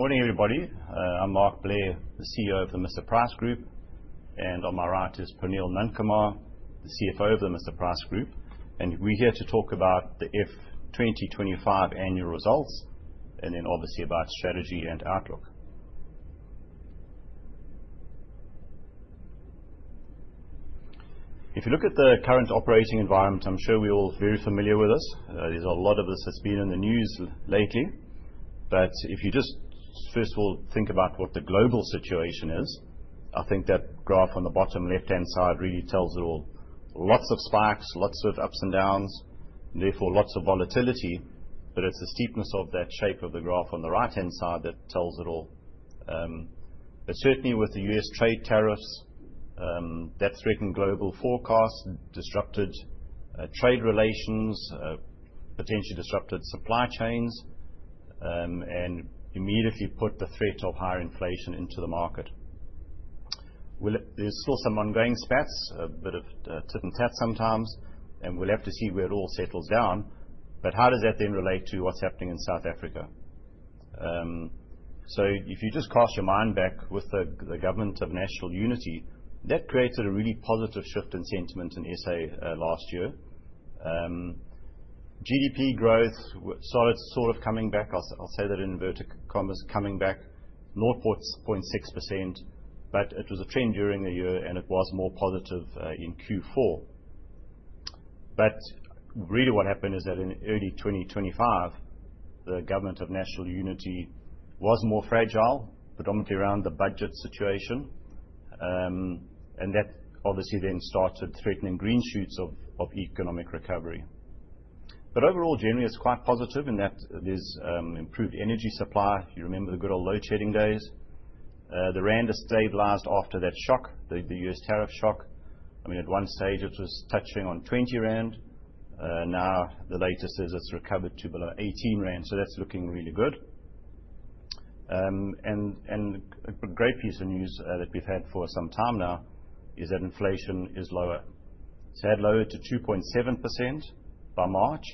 Morning, everybody. I'm Mark Blair, the CEO of the Mr Price Group, and on my right is Praneel Nundkumar, the CFO of the Mr Price Group. We're here to talk about the F2025 annual results and then, obviously, about strategy and outlook. If you look at the current operating environment, I'm sure we're all very familiar with this. There's a lot of this that's been in the news lately. If you just, first of all, think about what the global situation is, I think that graph on the bottom left-hand side really tells it all. Lots of spikes, lots of ups and downs, and therefore lots of volatility. It's the steepness of that shape of the graph on the right-hand side that tells it all. Certainly, with the U.S. trade tariffs, that threatened global forecasts, disrupted trade relations, potentially disrupted supply chains, and immediately put the threat of higher inflation into the market. There's still some ongoing spats, a bit of tit and tat sometimes, and we'll have to see where it all settles down. How does that then relate to what's happening in South Africa? If you just cast your mind back with the government of national unity, that created a really positive shift in sentiment in South Africa last year. GDP growth, solid sort of coming back, I'll say that in inverted commas, coming back 0.6%, but it was a trend during the year, and it was more positive in Q4. Really what happened is that in early 2025, the government of national unity was more fragile, predominantly around the budget situation, and that obviously then started threatening green shoots of economic recovery. Overall, generally, it is quite positive in that there is improved energy supply. You remember the good old load-shedding days? The rand has stabilized after that shock, the U.S. tariff shock. I mean, at one stage, it was touching on 20 rand. Now, the latest is it has recovered to below 18 rand, so that is looking really good. A great piece of news that we have had for some time now is that inflation is lower. It had lowered to 2.7% by March,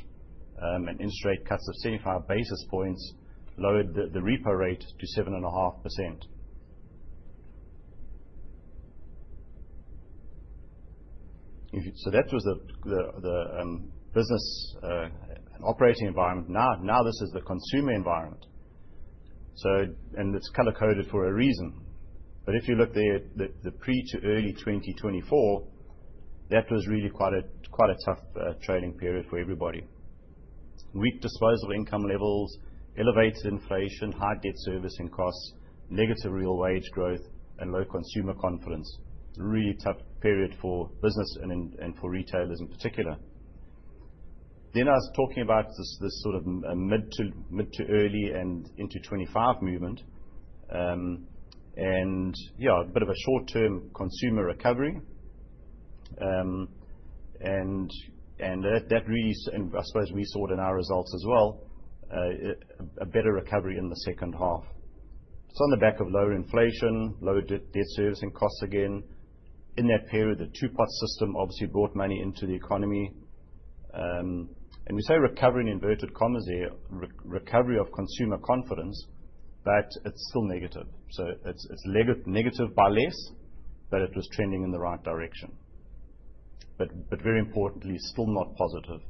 and interest rate cuts of 75 basis points lowered the repo rate to 7.5%. That was the business and operating environment. Now, this is the consumer environment, and it is color-coded for a reason. If you look there, the pre to early 2024, that was really quite a tough trading period for everybody. Weak disposable income levels, elevated inflation, high debt servicing costs, negative real wage growth, and low consumer confidence. Really tough period for business and for retailers in particular. I was talking about this sort of mid to early and into 2025 movement, and yeah, a bit of a short-term consumer recovery. That really, I suppose we saw it in our results as well, a better recovery in the second half. On the back of lower inflation, low debt servicing costs again, in that period, the two-part system obviously brought money into the economy. We say recovery in inverted commas here, recovery of consumer confidence, but it is still negative. It is negative by less, but it was trending in the right direction. Very importantly, still not positive.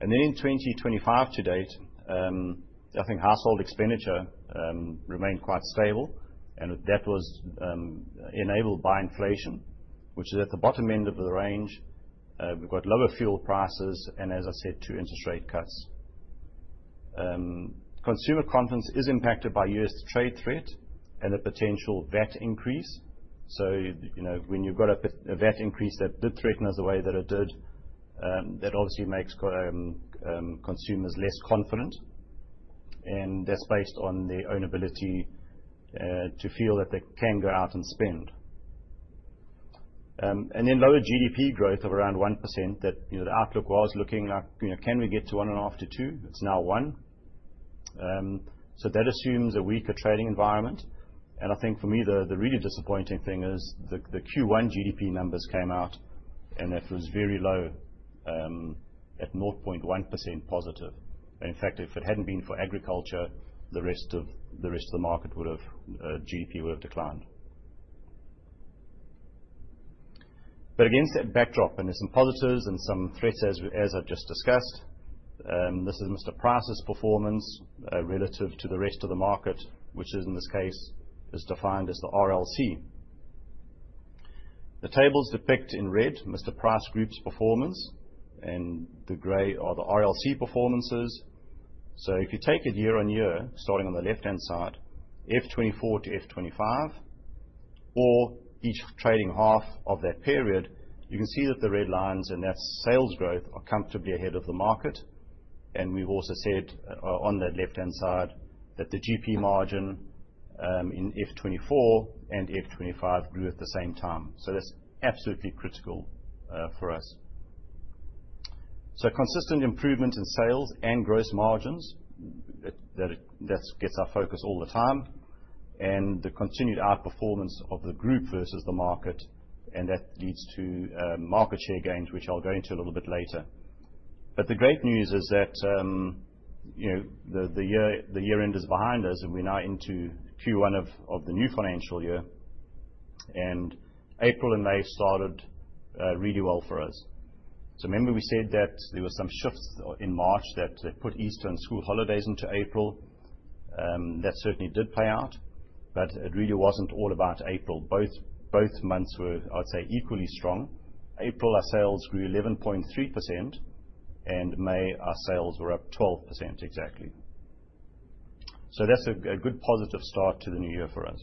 In 2025 to date, I think household expenditure remained quite stable, and that was enabled by inflation, which is at the bottom end of the range. We have lower fuel prices and, as I said, two interest rate cuts. Consumer confidence is impacted by U.S. trade threat and the potential VAT increase. When you have a VAT increase that did threaten us the way that it did, that obviously makes consumers less confident, and that is based on their own ability to feel that they can go out and spend. Lower GDP growth of around 1%, that the outlook was looking like, can we get to one and a half to two? It is now one. That assumes a weaker trading environment. I think for me, the really disappointing thing is the Q1 GDP numbers came out, and that was very low, at 0.1%+. In fact, if it had not been for agriculture, the rest of the market would have GDP would have declined. Against that backdrop, and there are some positives and some threats, as I have just discussed, this is Mr Price's performance relative to the rest of the market, which in this case is defined as the RLC. The tables depict in red Mr Price Group's performance, and the gray are the RLC performances. If you take it year on year, starting on the left-hand side, F2024 to F2025, or each trading half of that period, you can see that the red lines and that sales growth are comfortably ahead of the market. We have also said on that left-hand side that the GP margin in F2024 and F2025 grew at the same time. That is absolutely critical for us. Consistent improvement in sales and gross margins gets our focus all the time, and the continued outperformance of the group versus the market leads to market share gains, which I will go into a little bit later. The great news is that the year end is behind us, and we are now into Q1 of the new financial year, and April and May started really well for us. Remember we said that there were some shifts in March that put Easter and school holidays into April. That certainly did pay out, but it really was not all about April. Both months were, I would say, equally strong. April, our sales grew 11.3%, and May, our sales were up 12% exactly. That's a good positive start to the new year for us.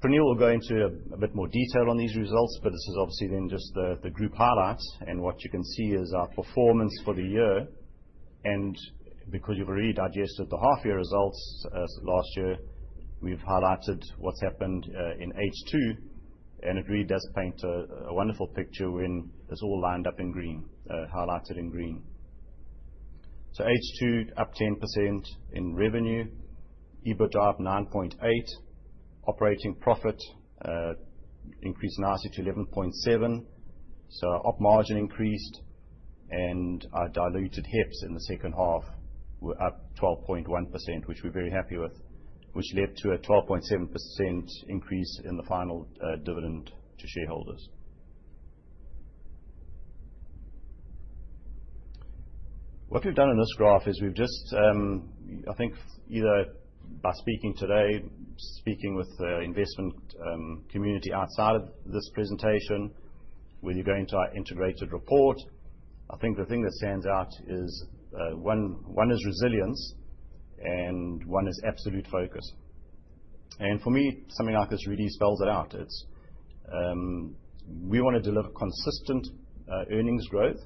Praneel will go into a bit more detail on these results, but this is obviously then just the group highlights, and what you can see is our performance for the year. Because you've already digested the half-year results last year, we've highlighted what's happened in H2, and it really does paint a wonderful picture when it's all lined up in green, highlighted in green. H2, up 10% in revenue, EBITDA up 9.8%, operating profit increased nicely to 11.7%. Our up margin increased, and our diluted HEPS in the second half were up 12.1%, which we're very happy with, which led to a 12.7% increase in the final dividend to shareholders. What we've done in this graph is we've just, I think, either by speaking today, speaking with the investment community outside of this presentation, whether you're going to our integrated report, I think the thing that stands out is one is resilience, and one is absolute focus. For me, something like this really spells it out. We want to deliver consistent earnings growth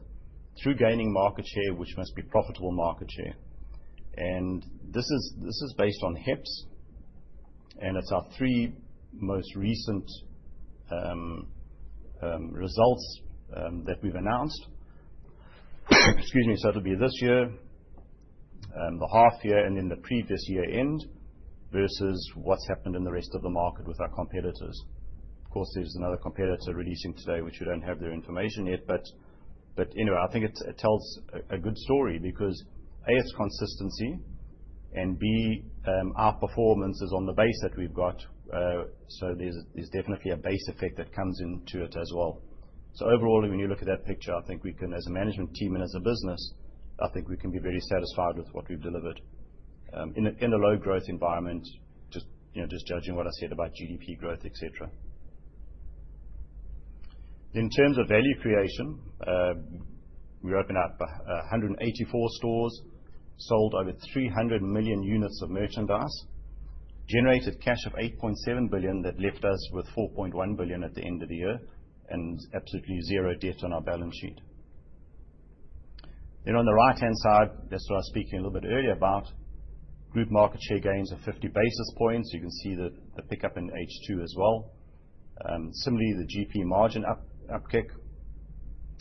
through gaining market share, which must be profitable market share. This is based on HEPS, and it's our three most recent results that we've announced. Excuse me. It'll be this year, the half-year, and then the previous year end versus what's happened in the rest of the market with our competitors. Of course, there's another competitor releasing today, which we don't have their information yet, but anyway, I think it tells a good story because A, it's consistency, and B, our performance is on the base that we've got. There's definitely a base effect that comes into it as well. Overall, when you look at that picture, I think we can, as a management team and as a business, I think we can be very satisfied with what we've delivered in a low-growth environment, just judging what I said about GDP growth, et cetera. In terms of value creation, we opened up 184 stores, sold over 300 million units of merchandise, generated cash of 8.7 billion that left us with 4.1 billion at the end of the year, and absolutely zero debt on our balance sheet. On the right-hand side, that's what I was speaking a little bit earlier about, group market share gains of 50 basis points. You can see the pickup in H2 as well. Similarly, the GP margin upkick,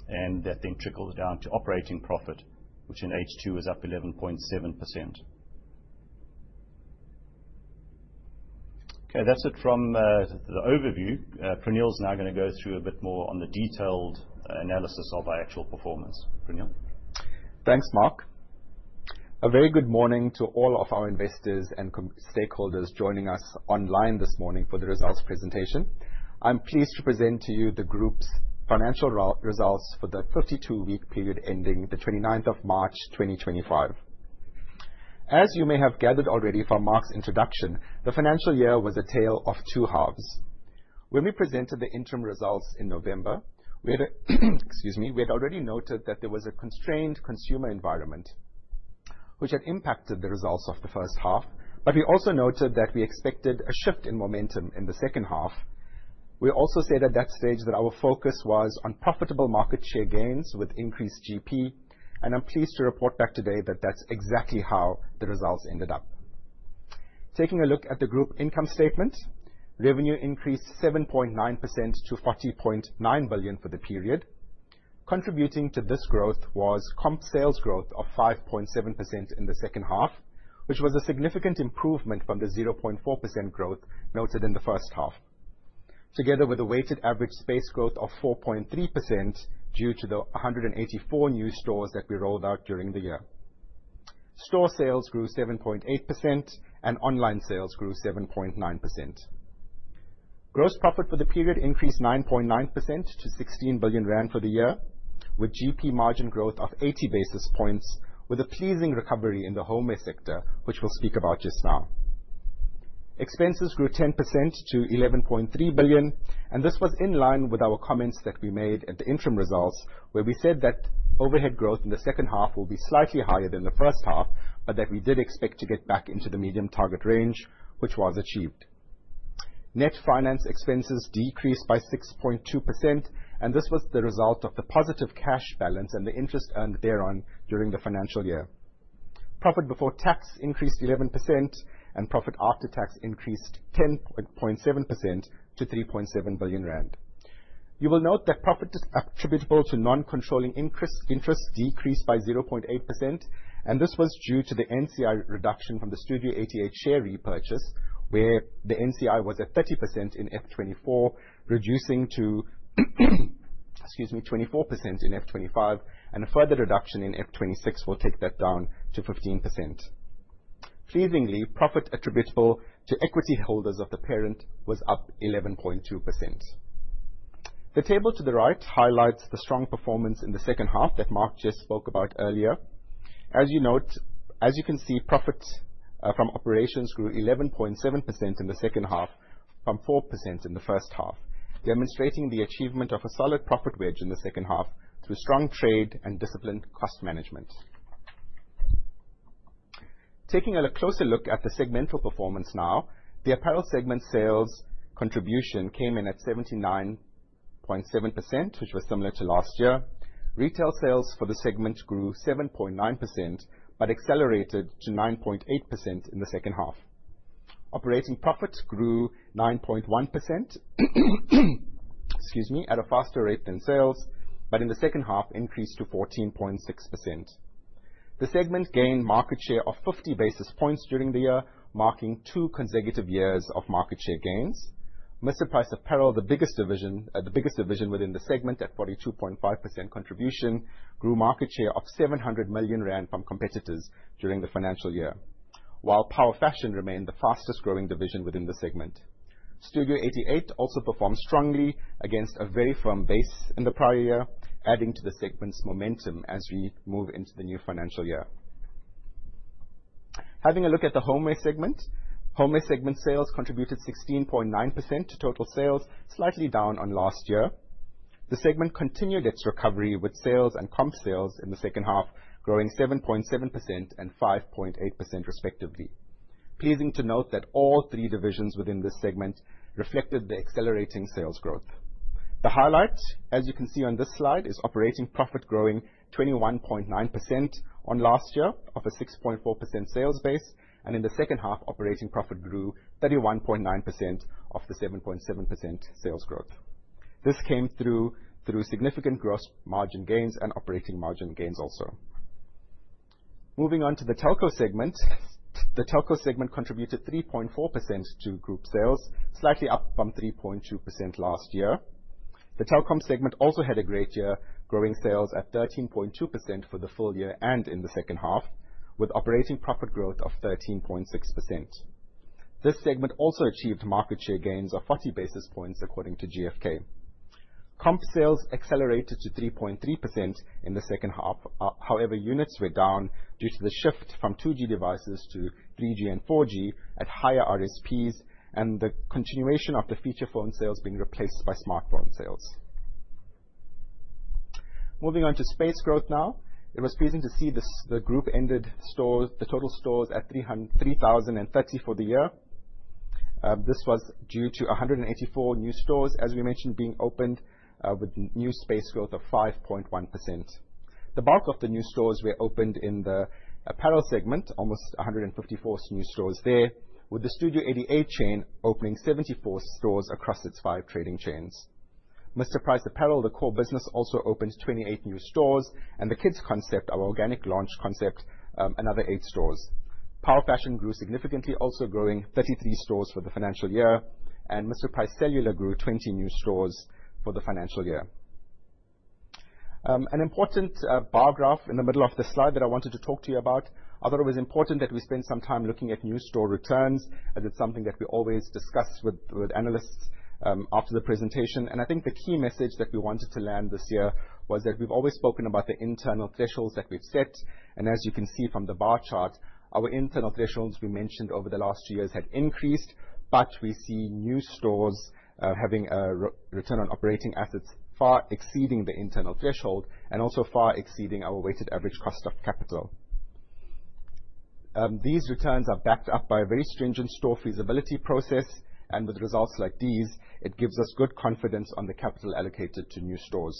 and that then trickles down to operating profit, which in H2 is up 11.7%. Okay, that's it from the overview. Praneel's now going to go through a bit more on the detailed analysis of our actual performance. Praneel? Thanks, Mark. A very good morning to all of our investors and stakeholders joining us online this morning for the results presentation. I'm pleased to present to you the group's financial results for the 52-week period ending the 29th of March, 2025. As you may have gathered already from Mark's introduction, the financial year was a tale of two halves. When we presented the interim results in November, excuse me, we had already noted that there was a constrained consumer environment, which had impacted the results of the first half, but we also noted that we expected a shift in momentum in the second half. We also said at that stage that our focus was on profitable market share gains with increased GP, and I'm pleased to report back today that that's exactly how the results ended up. Taking a look at the group income statement, revenue increased 7.9% to 40.9 billion for the period. Contributing to this growth was comp sales growth of 5.7% in the second half, which was a significant improvement from the 0.4% growth noted in the first half, together with a weighted average space growth of 4.3% due to the 184 new stores that we rolled out during the year. Store sales grew 7.8%, and online sales grew 7.9%. Gross profit for the period increased 9.9% to 16 billion rand for the year, with GP margin growth of 80 basis points, with a pleasing recovery in the homeware sector, which we'll speak about just now. Expenses grew 10% to 11.3 billion, and this was in line with our comments that we made at the interim results, where we said that overhead growth in the second half will be slightly higher than the first half, but that we did expect to get back into the medium target range, which was achieved. Net finance expenses decreased by 6.2%, and this was the result of the positive cash balance and the interest earned thereon during the financial year. Profit before tax increased 11%, and profit after tax increased 10.7% to 3.7 billion rand. You will note that profit attributable to non-controlling interest decreased by 0.8%, and this was due to the NCI reduction from the Studio 88 share repurchase, where the NCI was at 30% in 2024, reducing to, excuse me, 24% in F2025, and a further reduction in F2026 will take that down to 15%. Pleasingly, profit attributable to equity holders of the parent was up 11.2%. The table to the right highlights the strong performance in the second half that Mark just spoke about earlier. As you note, as you can see, profits from operations grew 11.7% in the second half from 4% in the first half, demonstrating the achievement of a solid profit wedge in the second half through strong trade and disciplined cost management. Taking a closer look at the segmental performance now, the apparel segment sales contribution came in at 79.7%, which was similar to last year. Retail sales for the segment grew 7.9% but accelerated to 9.8% in the second half. Operating profit grew 9.1%, excuse me, at a faster rate than sales, but in the second half increased to 14.6%. The segment gained market share of 50 basis points during the year, marking two consecutive years of market share gains. Mr Price apparel, the biggest division within the segment at 42.5% contribution, grew market share of 700 million rand from competitors during the financial year, while Power Fashion remained the fastest growing division within the segment. Studio 88 also performed strongly against a very firm base in the prior year, adding to the segment's momentum as we move into the new financial year. Having a look at the homeware segment, homeware segment sales contributed 16.9% to total sales, slightly down on last year. The segment continued its recovery with sales and comp sales in the second half growing 7.7% and 5.8% respectively. Pleasing to note that all three divisions within this segment reflected the accelerating sales growth. The highlight, as you can see on this slide, is operating profit growing 21.9% on last year off a 6.4% sales base, and in the second half, operating profit grew 31.9% off the 7.7% sales growth. This came through significant gross margin gains and operating margin gains also. Moving on to the telco segment, the telco segment contributed 3.4% to group sales, slightly up from 3.2% last year. The telecom segment also had a great year, growing sales at 13.2% for the full year and in the second half, with operating profit growth of 13.6%. This segment also achieved market share gains of 40 basis points according to GfK. Comp sales accelerated to 3.3% in the second half; however, units were down due to the shift from 2G devices to 3G and 4G at higher RSPs and the continuation of the feature phone sales being replaced by smartphone sales. Moving on to space growth now, it was pleasing to see the group ended the total stores at 3,030 for the year. This was due to 184 new stores, as we mentioned, being opened with new space growth of 5.1%. The bulk of the new stores were opened in the apparel segment, almost 154 new stores there, with the Studio 88 chain opening 74 stores across its five trading chains. Mr Price Apparel, the core business, also opened 28 new stores, and the Kids concept, our organic launch concept, another eight stores. Power Fashion grew significantly, also growing 33 stores for the financial year, and Mr Price Cellular grew 20 new stores for the financial year. An important bar graph in the middle of the slide that I wanted to talk to you about. I thought it was important that we spend some time looking at new store returns, as it is something that we always discuss with analysts after the presentation. I think the key message that we wanted to land this year was that we have always spoken about the internal thresholds that we have set, and as you can see from the bar chart, our internal thresholds we mentioned over the last two years had increased, but we see new stores having a return on operating assets far exceeding the internal threshold and also far exceeding our weighted average cost of capital. These returns are backed up by a very stringent store feasibility process, and with results like these, it gives us good confidence on the capital allocated to new stores.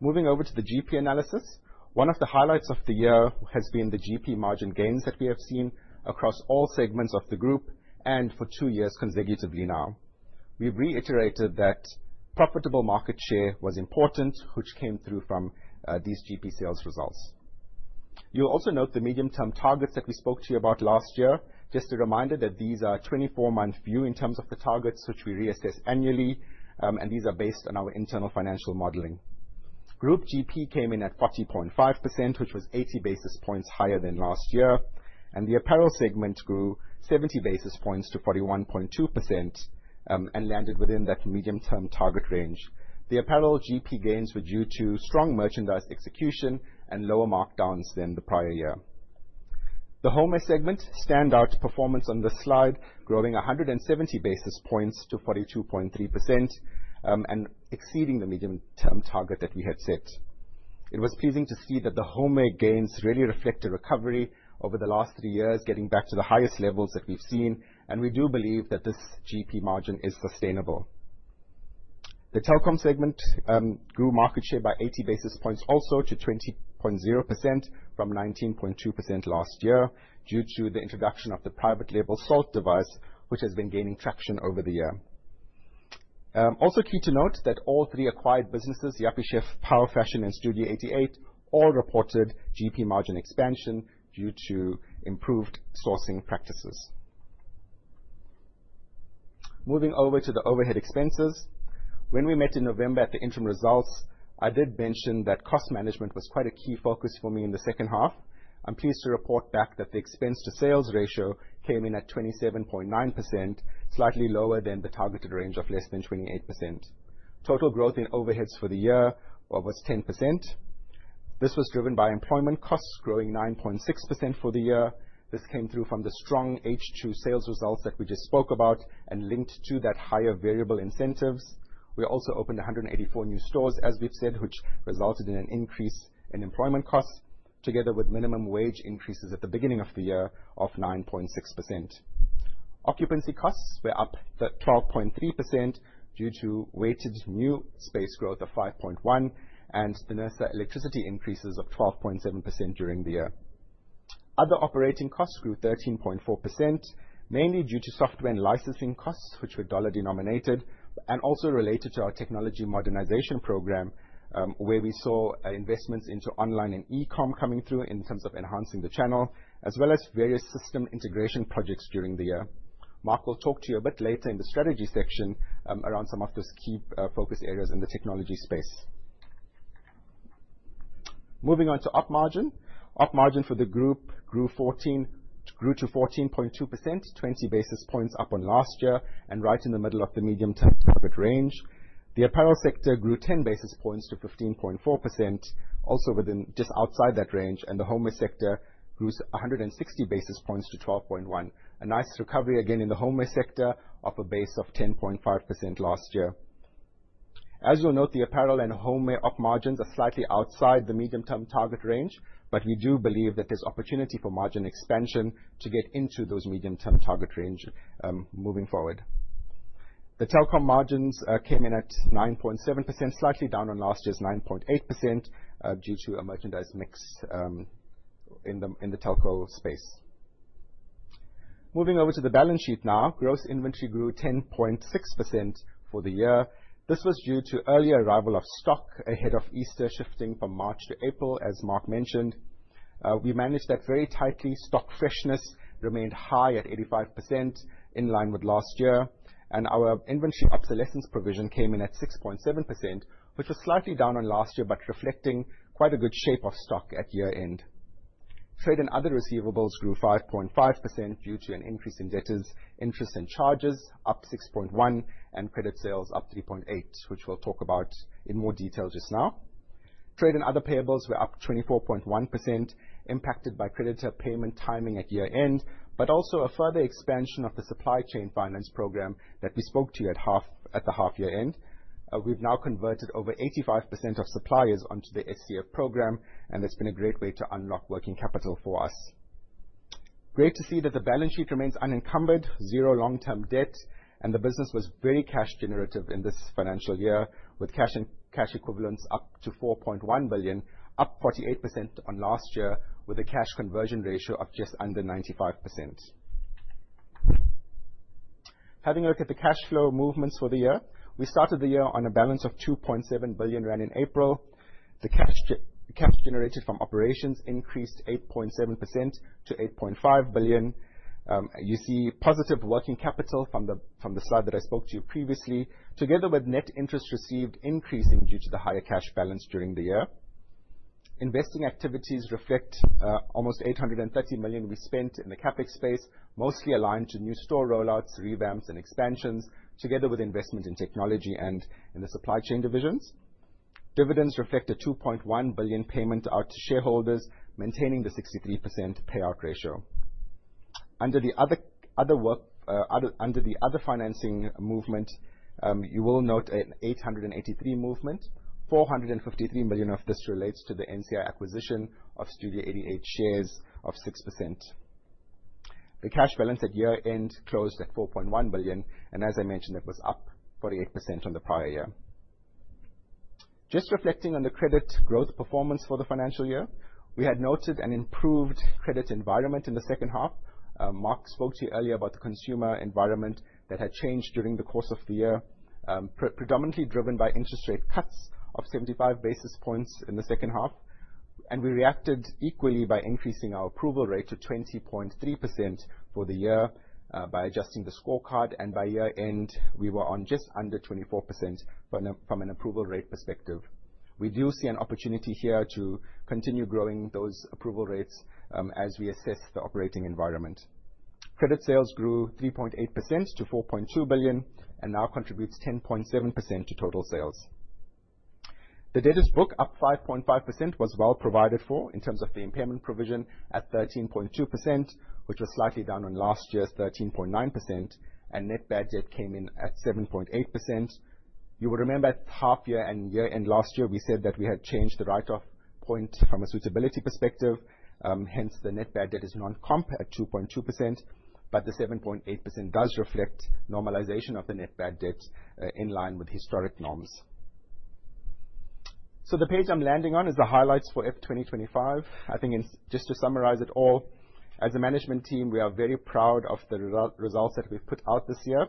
Moving over to the GP analysis, one of the highlights of the year has been the GP margin gains that we have seen across all segments of the group and for two years consecutively now. We've reiterated that profitable market share was important, which came through from these GP sales results. You'll also note the medium-term targets that we spoke to you about last year. Just a reminder that these are 24-month view in terms of the targets, which we reassess annually, and these are based on our internal financial modeling. Group GP came in at 40.5%, which was 80 basis points higher than last year, and the apparel segment grew 70 basis points to 41.2% and landed within that medium-term target range. The apparel GP gains were due to strong merchandise execution and lower markdowns than the prior year. The homeware segment stands out performance on this slide, growing 170 basis points to 42.3% and exceeding the medium-term target that we had set. It was pleasing to see that the homeware gains really reflect a recovery over the last three years, getting back to the highest levels that we've seen, and we do believe that this GP margin is sustainable. The telecom segment grew market share by 80 basis points also to 20.0% from 19.2% last year due to the introduction of the private label Salt device, which has been gaining traction over the year. Also key to note that all three acquired businesses, Yuppiechef, Power Fashion, and Studio 88, all reported GP margin expansion due to improved sourcing practices. Moving over to the overhead expenses, when we met in November at the interim results, I did mention that cost management was quite a key focus for me in the second half. I'm pleased to report back that the expense-to-sales ratio came in at 27.9%, slightly lower than the targeted range of less than 28%. Total growth in overheads for the year was 10%. This was driven by employment costs growing 9.6% for the year. This came through from the strong H2 sales results that we just spoke about and linked to that higher variable incentives. We also opened 184 new stores, as we've said, which resulted in an increase in employment costs together with minimum wage increases at the beginning of the year of 9.6%. Occupancy costs were up 12.3% due to weighted new space growth of 5.1% and the NERSA electricity increases of 12.7% during the year. Other operating costs grew 13.4%, mainly due to software and licensing costs, which were dollar denominated and also related to our technology modernization program, where we saw investments into online and e-com coming through in terms of enhancing the channel, as well as various system integration projects during the year. Mark will talk to you a bit later in the strategy section around some of those key focus areas in the technology space. Moving on to up margin, up margin for the group grew to 14.2%, 20 basis points up on last year and right in the middle of the medium-term target range. The apparel sector grew 10 basis points to 15.4%, also within just outside that range, and the homeware sector grew 160 basis points to 12.1%. A nice recovery again in the homeware sector off a base of 10.5% last year. As you'll note, the apparel and homeware margins are slightly outside the medium-term target range, but we do believe that there's opportunity for margin expansion to get into those medium-term target range moving forward. The telecom margins came in at 9.7%, slightly down on last year's 9.8% due to a merchandise mix in the telco space. Moving over to the balance sheet now, gross inventory grew 10.6% for the year. This was due to early arrival of stock ahead of Easter shifting from March to April, as Mark mentioned. We managed that very tightly. Stock freshness remained high at 85%, in line with last year, and our inventory obsolescence provision came in at 6.7%, which was slightly down on last year, but reflecting quite a good shape of stock at year-end. Trade and other receivables grew 5.5% due to an increase in debtors, interest and charges up 6.1%, and credit sales up 3.8%, which we'll talk about in more detail just now. Trade and other payables were up 24.1%, impacted by creditor payment timing at year-end, but also a further expansion of the supply chain finance program that we spoke to you at the half-year end. We've now converted over 85% of suppliers onto the SCF program, and it's been a great way to unlock working capital for us. Great to see that the balance sheet remains unencumbered, zero long-term debt, and the business was very cash-generative in this financial year, with cash equivalents up to 4.1 billion, up 48% on last year, with a cash conversion ratio of just under 95%. Having a look at the cash flow movements for the year, we started the year on a balance of 2.7 billion rand in April. The cash generated from operations increased 8.7% to 8.5 billion. You see positive working capital from the slide that I spoke to you previously, together with net interest received increasing due to the higher cash balance during the year. Investing activities reflect almost 830 million we spent in the CapEx space, mostly aligned to new store rollouts, revamps, and expansions, together with investment in technology and in the supply chain divisions. Dividends reflect a 2.1 billion payment out to shareholders, maintaining the 63% payout ratio. Under the other financing movement, you will note an 883 million movement. 453 million of this relates to the NCI acquisition of Studio 88 shares of 6%. The cash balance at year-end closed at 4.1 billion, and as I mentioned, it was up 48% on the prior year. Just reflecting on the credit growth performance for the financial year, we had noted an improved credit environment in the second half. Mark spoke to you earlier about the consumer environment that had changed during the course of the year, predominantly driven by interest rate cuts of 75 basis points in the second half, and we reacted equally by increasing our approval rate to 20.3% for the year by adjusting the scorecard, and by year-end, we were on just under 24% from an approval rate perspective. We do see an opportunity here to continue growing those approval rates as we assess the operating environment. Credit sales grew 3.8% to 4.2 billion and now contributes 10.7% to total sales. The debtors book up 5.5% was well provided for in terms of the impairment provision at 13.2%, which was slightly down on last year's 13.9%, and net bad debt came in at 7.8%. You will remember at half-year and year-end last year, we said that we had changed the write-off point from a suitability perspective. Hence, the net bad debt is non-comp at 2.2%, but the 7.8% does reflect normalization of the net bad debt in line with historic norms. The page I am landing on is the highlights for F2025. I think just to summarize it all, as a management team, we are very proud of the results that we have put out this year,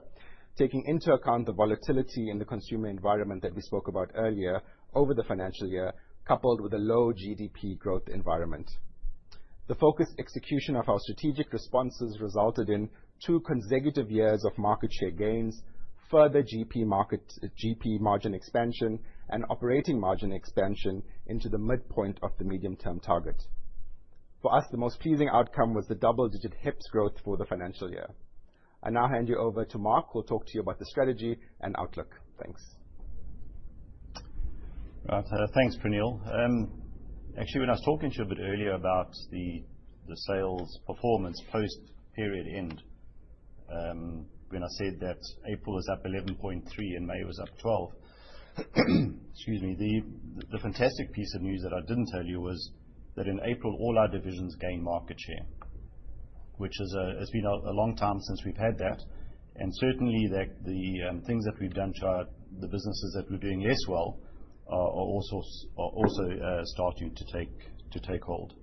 taking into account the volatility in the consumer environment that we spoke about earlier over the financial year, coupled with a low GDP growth environment. The focused execution of our strategic responses resulted in two consecutive years of market share gains, further GP margin expansion, and operating margin expansion into the midpoint of the medium-term target. For us, the most pleasing outcome was the double-digit HEPS growth for the financial year. I now hand you over to Mark. We'll talk to you about the strategy and outlook. Thanks. Thanks, Praneel. Actually, when I was talking to you a bit earlier about the sales performance post-period end, when I said that April was up 11.3% and May was up 12%, excuse me, the fantastic piece of news that I did not tell you was that in April, all our divisions gained market share, which has been a long time since we've had that. Certainly, the things that we've done to our businesses that were doing less well are also starting to take hold.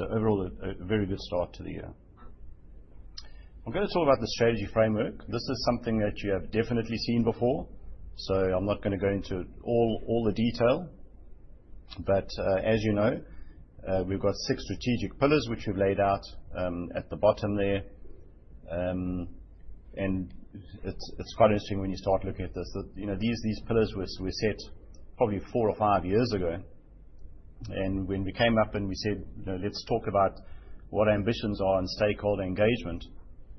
Overall, a very good start to the year. I'm going to talk about the strategy framework. This is something that you have definitely seen before, so I'm not going to go into all the detail, but as you know, we've got six strategic pillars, which we've laid out at the bottom there. It's quite interesting when you start looking at this. These pillars were set probably four or five years ago, and when we came up and we said, "Let's talk about what our ambitions are and stakeholder engagement,"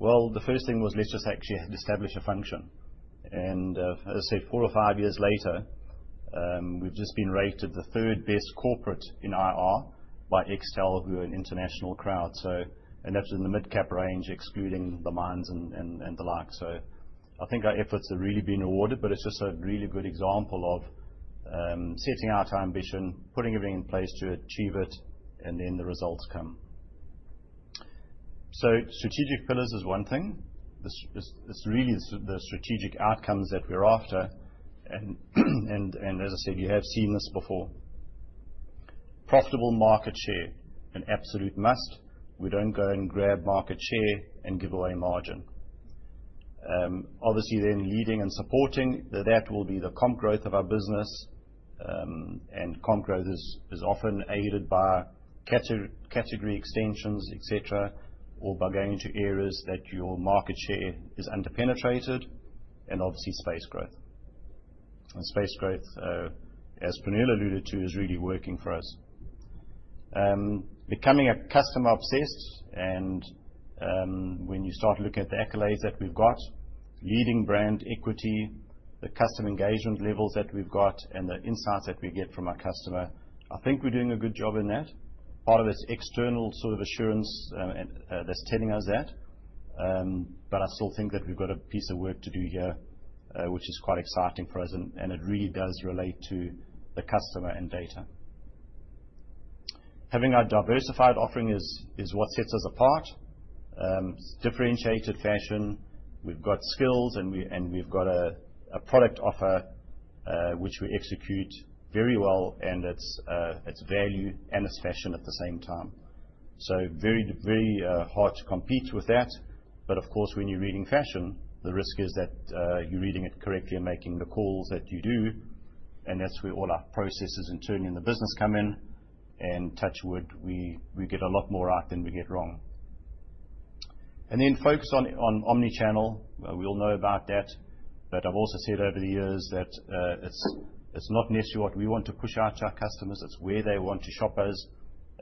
the first thing was, "Let's just actually establish a function." As I said, four or five years later, we've just been rated the third-best corporate in IR by Excel, who are an international crowd. That's in the mid-cap range, excluding the mines and the like. I think our efforts have really been rewarded, but it's just a really good example of setting out our ambition, putting everything in place to achieve it, and then the results come. Strategic pillars is one thing. It's really the strategic outcomes that we're after. As I said, you have seen this before. Profitable market share, an absolute must. We don't go and grab market share and give away margin. Obviously, then leading and supporting, that will be the comp growth of our business, and comp growth is often aided by category extensions, etc., or by going to areas that your market share is under-penetrated, and obviously, space growth. Space growth, as Praneel alluded to, is really working for us. Becoming a customer-obsessed, and when you start looking at the accolades that we've got, leading brand equity, the customer engagement levels that we've got, and the insights that we get from our customer, I think we're doing a good job in that. Part of it's external sort of assurance that's telling us that, but I still think that we've got a piece of work to do here, which is quite exciting for us, and it really does relate to the customer and data. Having our diversified offering is what sets us apart. It's differentiated fashion. We've got skills, and we've got a product offer which we execute very well, and it's value and it's fashion at the same time. Very hard to compete with that, but of course, when you're reading fashion, the risk is that you're reading it correctly and making the calls that you do, and that's where all our processes and turning the business come in. Touch wood, we get a lot more right than we get wrong. Focus on omnichannel. We all know about that, but I've also said over the years that it's not necessarily what we want to push out to our customers. It's where they want to shop us,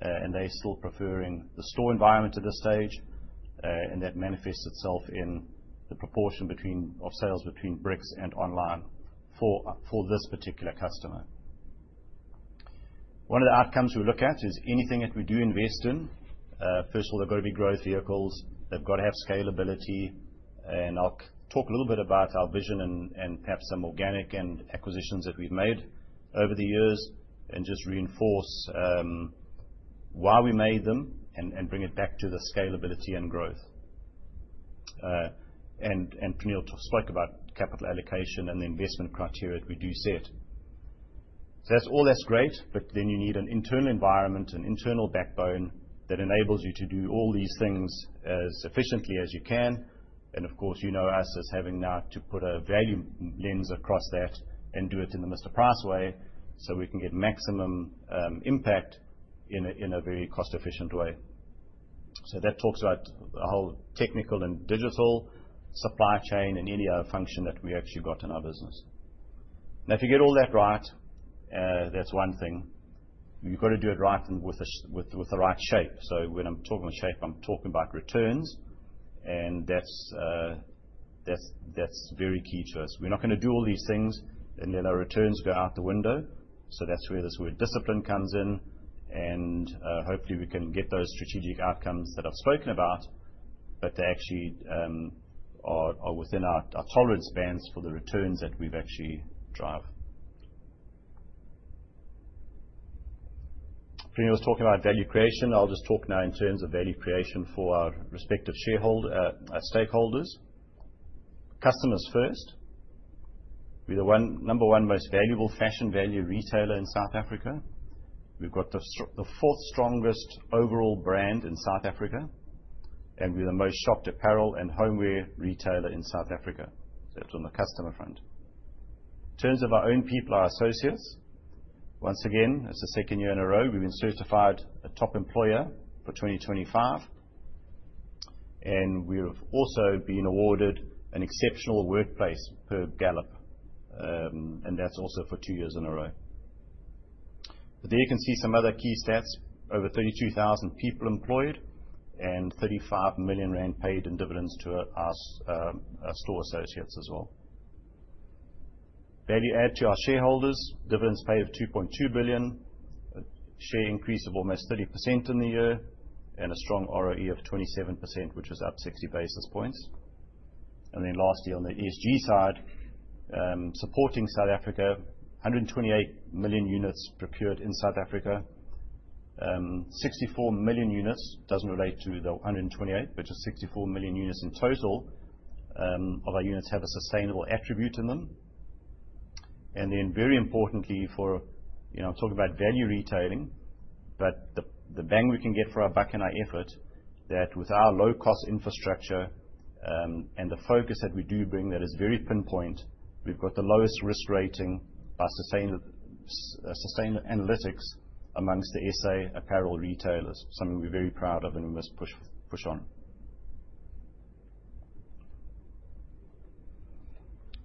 and they're still preferring the store environment at this stage, and that manifests itself in the proportion of sales between bricks and online for this particular customer. One of the outcomes we look at is anything that we do invest in. First of all, they've got to be growth vehicles. They've got to have scalability. I'll talk a little bit about our vision and perhaps some organic acquisitions that we've made over the years and just reinforce why we made them and bring it back to the scalability and growth. Praneel spoke about capital allocation and the investment criteria that we do set. All that's great, but then you need an internal environment, an internal backbone that enables you to do all these things as efficiently as you can. Of course, you know us as having now to put a value lens across that and do it in the Mr Price way so we can get maximum impact in a very cost-efficient way. That talks about the whole technical and digital supply chain and any other function that we actually got in our business. Now, if you get all that right, that's one thing. You've got to do it right with the right shape. When I'm talking about shape, I'm talking about returns, and that's very key to us. We're not going to do all these things, and then our returns go out the window. That's where this word discipline comes in, and hopefully, we can get those strategic outcomes that I've spoken about, but they actually are within our tolerance bands for the returns that we've actually driven. Praneel was talking about value creation. I'll just talk now in terms of value creation for our respective stakeholders. Customers first. We're the number one most valuable fashion value retailer in South Africa. We've got the fourth strongest overall brand in South Africa, and we're the most shopped apparel and homeware retailer in South Africa. That's on the customer front. In terms of our own people, our associates, once again, it's the second year in a row we've been certified a top employer for 2025, and we've also been awarded an exceptional workplace per Gallup, and that's also for two years in a row. There you can see some other key stats. Over 32,000 people employed and 35 million rand paid in dividends to our store associates as well. Value add to our shareholders, dividends paid of 2.2 billion, share increase of almost 30% in the year, and a strong ROE of 27%, which was up 60 basis points. Lastly, on the ESG side, supporting South Africa, 128 million units procured in South Africa. 64 million units doesn't relate to the 128, but just 64 million units in total of our units have a sustainable attribute in them. Very importantly, for I'm talking about value retailing, but the bang we can get for our buck and our effort that with our low-cost infrastructure and the focus that we do bring that is very pinpoint, we've got the lowest risk rating by Sustainalytics amongst the SA apparel retailers, something we're very proud of and we must push on.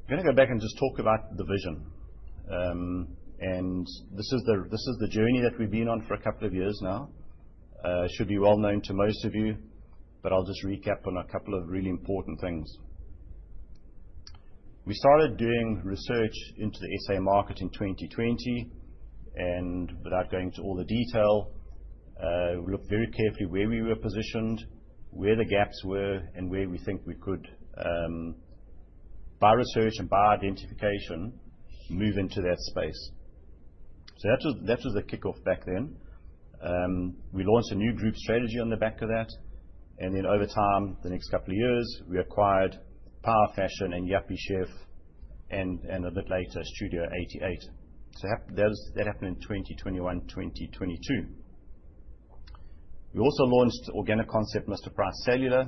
I am going to go back and just talk about the vision. This is the journey that we've been on for a couple of years now. It should be well known to most of you, but I'll just recap on a couple of really important things. We started doing research into the SA market in 2020, and without going into all the detail, we looked very carefully where we were positioned, where the gaps were, and where we think we could, by research and by identification, move into that space. That was the kickoff back then. We launched a new group strategy on the back of that, and over time, the next couple of years, we acquired Power Fashion and Yuppiechef and a bit later, Studio 88. That happened in 2021, 2022. We also launched organic concept Mr Price Cellular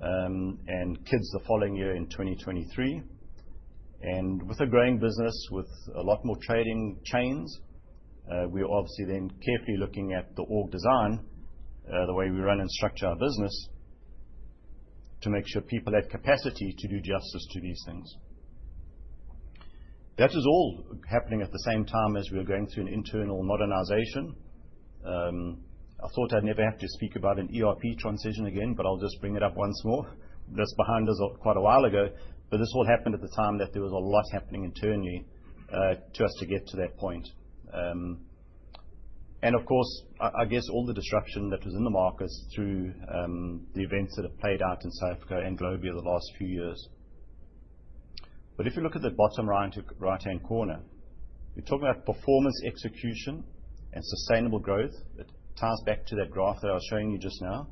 and Kids the following year in 2023. With a growing business with a lot more trading chains, we are obviously then carefully looking at the org design, the way we run and structure our business to make sure people have capacity to do justice to these things. That was all happening at the same time as we were going through an internal modernization. I thought I'd never have to speak about an ERP transition again, but I'll just bring it up once more. That's behind us quite a while ago, but this all happened at the time that there was a lot happening internally to us to get to that point. Of course, I guess all the disruption that was in the markets through the events that have played out in South Africa and Globe over the last few years. If you look at the bottom right-hand corner, we're talking about performance execution and sustainable growth. It ties back to that graph that I was showing you just now,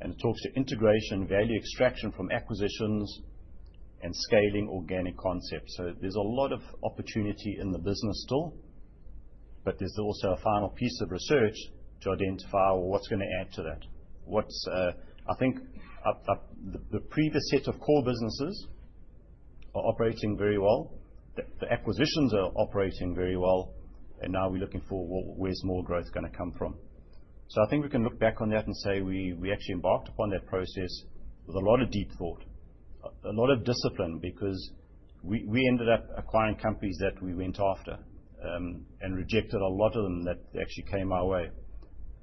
and it talks to integration and value extraction from acquisitions and scaling organic concepts. There is a lot of opportunity in the business still, but there is also a final piece of research to identify what is going to add to that. I think the previous set of core businesses are operating very well. The acquisitions are operating very well, and now we are looking for where more growth is going to come from. I think we can look back on that and say we actually embarked upon that process with a lot of deep thought, a lot of discipline, because we ended up acquiring companies that we went after and rejected a lot of them that actually came our way.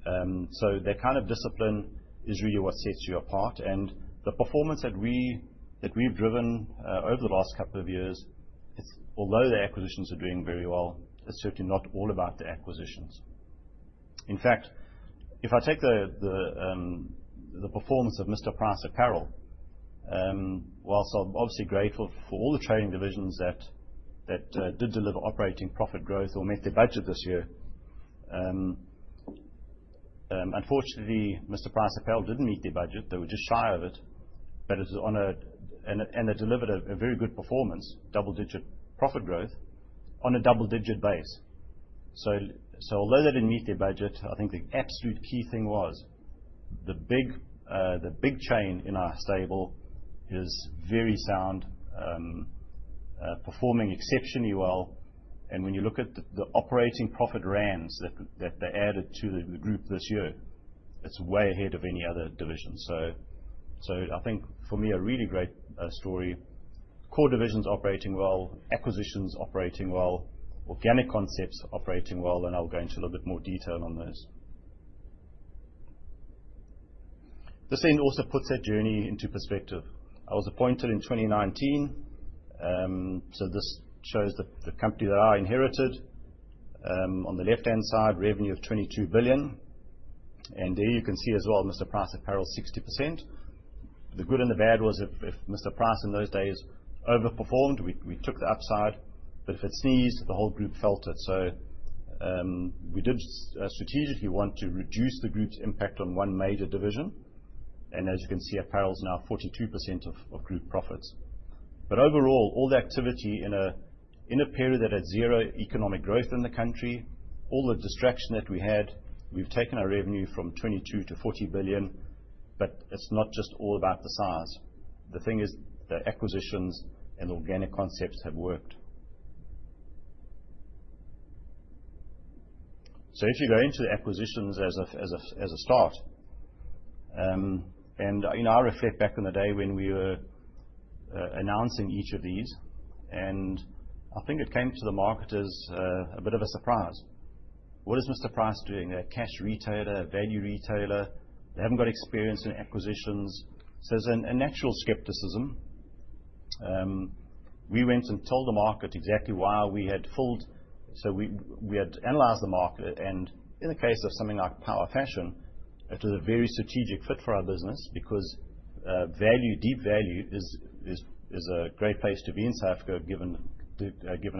That kind of discipline is really what sets you apart. The performance that we have driven over the last couple of years, although the acquisitions are doing very well, it is certainly not all about the acquisitions. In fact, if I take the performance of Mr Price. Apparel, whilst I'm obviously grateful for all the trading divisions that did deliver operating profit growth or met their budget this year, unfortunately, Mr Price apparel didn't meet their budget. They were just shy of it, but they delivered a very good performance, double-digit profit growth on a double-digit base. Although they didn't meet their budget, I think the absolute key thing was the big chain in our stable is very sound, performing exceptionally well. When you look at the operating profit rands that they added to the group this year, it's way ahead of any other division. I think for me, a really great story. Core divisions operating well, acquisitions operating well, organic concepts operating well, and I'll go into a little bit more detail on those. This then also puts that journey into perspective. I was appointed in 2019, so this shows the company that I inherited. On the left-hand side, revenue of 22 billion. There you can see as well, Mr Price Apparel, 60%. The good and the bad was if Mr Price in those days overperformed, we took the upside, but if it sneezed, the whole group felt it. We did strategically want to reduce the group's impact on one major division. As you can see, apparel is now 42% of group profits. Overall, all the activity in a period that had zero economic growth in the country, all the distraction that we had, we've taken our revenue from 22 billion to 40 billion, but it's not just all about the size. The thing is the acquisitions and organic concepts have worked. If you go into the acquisitions as a start, and I reflect back on the day when we were announcing each of these, I think it came to the market as a bit of a surprise. What is Mr Price doing? A cash retailer, a value retailer. They have not got experience in acquisitions. There is an actual skepticism. We went and told the market exactly why we had filled. We had analyzed the market, and in the case of something like Power Fashion, it was a very strategic fit for our business because deep value is a great place to be in South Africa given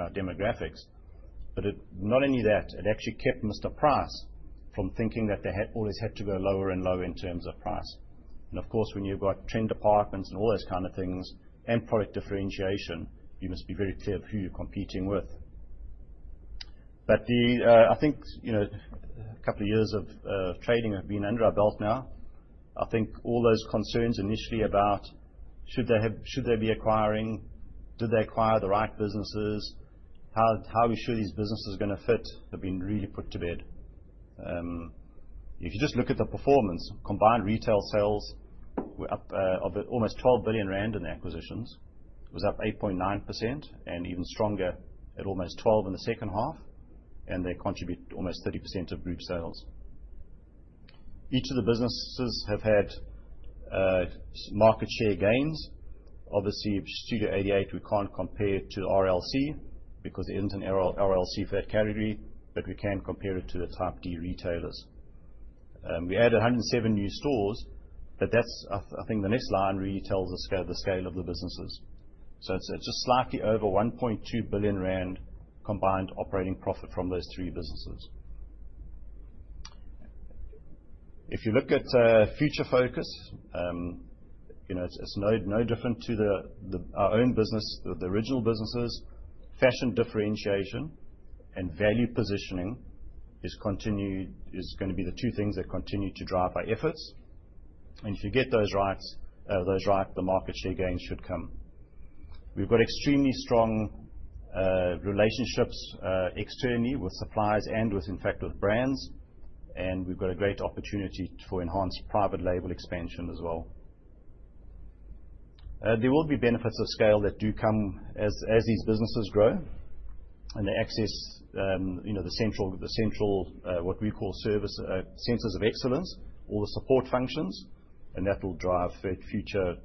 our demographics. Not only that, it actually kept Mr Price from thinking that they always had to go lower and lower in terms of price. Of course, when you've got trend departments and all those kind of things and product differentiation, you must be very clear of who you're competing with. I think a couple of years of trading have been under our belt now. I think all those concerns initially about should they be acquiring, did they acquire the right businesses, how are we sure these businesses are going to fit have been really put to bed. If you just look at the performance, combined retail sales were up almost 12 billion rand in the acquisitions. It was up 8.9% and even stronger at almost 12 billion in the second half, and they contribute almost 30% of group sales. Each of the businesses have had market share gains. Obviously, Studio 88, we can't compare to RLC because there isn't an RLC for that category, but we can compare it to the type D retailers. We added 107 new stores, but that's, I think the next line really tells us the scale of the businesses. It is just slightly over 1.2 billion rand combined operating profit from those three businesses. If you look at future focus, it is no different to our own business, the original businesses. Fashion differentiation and value positioning is going to be the two things that continue to drive our efforts. If you get those right, the market share gains should come. We have got extremely strong relationships externally with suppliers and with, in fact, with brands, and we have got a great opportunity for enhanced private label expansion as well. There will be benefits of scale that do come as these businesses grow and they access the central, what we call centers of excellence, all the support functions, and that will drive future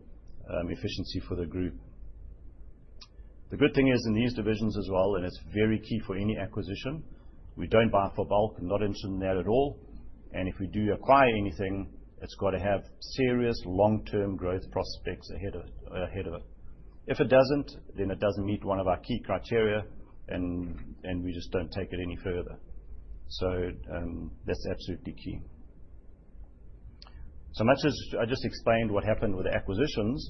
efficiency for the group. The good thing is in these divisions as well, and it's very key for any acquisition, we don't buy for bulk and not interested in that at all. If we do acquire anything, it's got to have serious long-term growth prospects ahead of it. If it doesn't, then it doesn't meet one of our key criteria, and we just don't take it any further. That's absolutely key. Much as I just explained what happened with the acquisitions,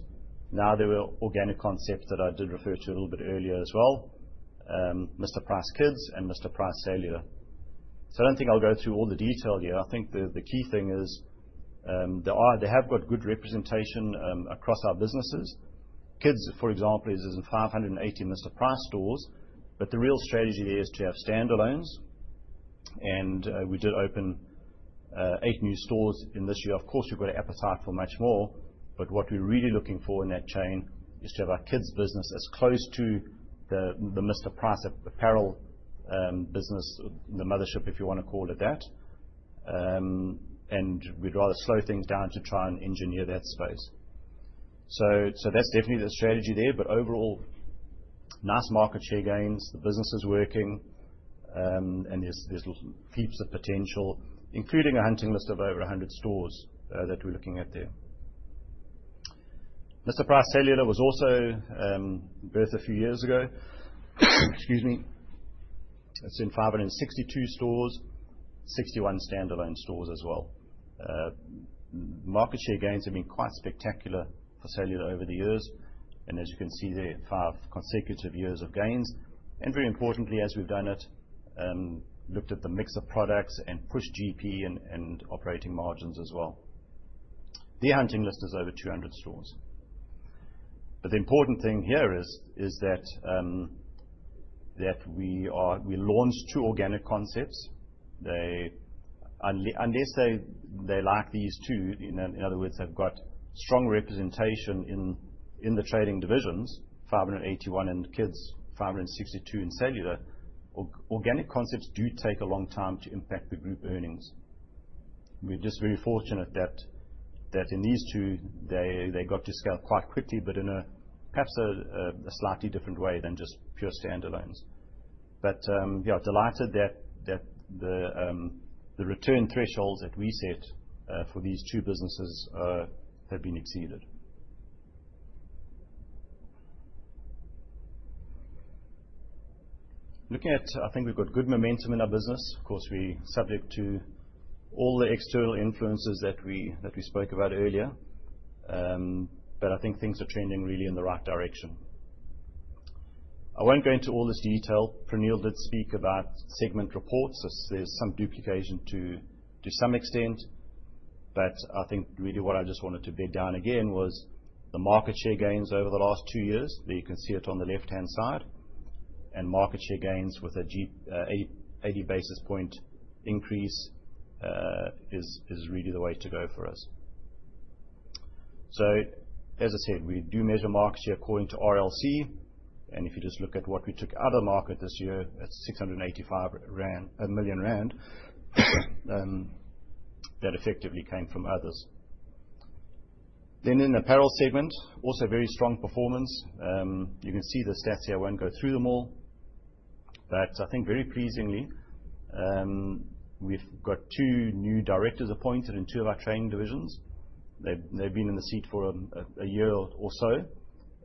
now there were organic concepts that I did refer to a little bit earlier as well, Mr Price Kids and Mr Price Cellular. I do not think I'll go through all the detail here. I think the key thing is they have got good representation across our businesses. Kids, for example, is in 580 Mr Price stores, but the real strategy there is to have standalones, and we did open eight new stores in this year. Of course, we've got an appetite for much more, but what we're really looking for in that chain is to have our Kids business as close to the Mr Price Apparel business, the mothership, if you want to call it that, and we'd rather slow things down to try and engineer that space. That is definitely the strategy there, but overall, nice market share gains, the business is working, and there's heaps of potential, including a hunting list of over 100 stores that we're looking at there. Mr Price Cellular was also birthed a few years ago. Excuse me. It is in 562 stores, 61 standalone stores as well. Market share gains have been quite spectacular for Cellular over the years, and as you can see there, five consecutive years of gains. Very importantly, as we have done it, looked at the mix of products and pushed GP and operating margins as well. The hunting list is over 200 stores. The important thing here is that we launched two organic concepts. Unless they like these two, in other words, they have strong representation in the trading divisions, 581 in Kids, 562 in Cellular, organic concepts do take a long time to impact the group earnings. We are just very fortunate that in these two, they got to scale quite quickly, perhaps in a slightly different way than just pure standalones. Yeah, delighted that the return thresholds that we set for these two businesses have been exceeded. Looking at, I think we've got good momentum in our business. Of course, we're subject to all the external influences that we spoke about earlier, but I think things are trending really in the right direction. I won't go into all this detail. Praneel did speak about segment reports as there's some duplication to some extent, but I think really what I just wanted to bed down again was the market share gains over the last two years. There you can see it on the left-hand side. Market share gains with an 80 basis point increase is really the way to go for us. As I said, we do measure market share according to RLC, and if you just look at what we took out of the market this year, it's 685 million rand that effectively came from others. Then in the apparel segment, also very strong performance. You can see the stats here when I go through them all, but I think very pleasingly, we've got two new directors appointed in two of our trading divisions. They've been in the seat for a year or so,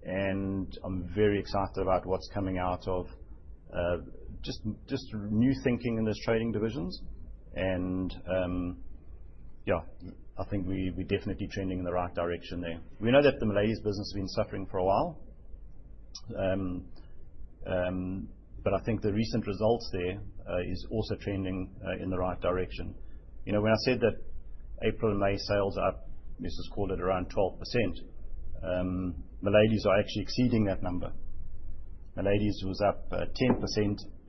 and I'm very excited about what's coming out of just new thinking in those trading divisions. Yeah, I think we're definitely trending in the right direction there. We know that the MILADYS's business has been suffering for a while, but I think the recent results there are also trending in the right direction. When I said that April and May sales are up, let's just call it around 12%, MILADYS are actually exceeding that number. MILADYS was up 10%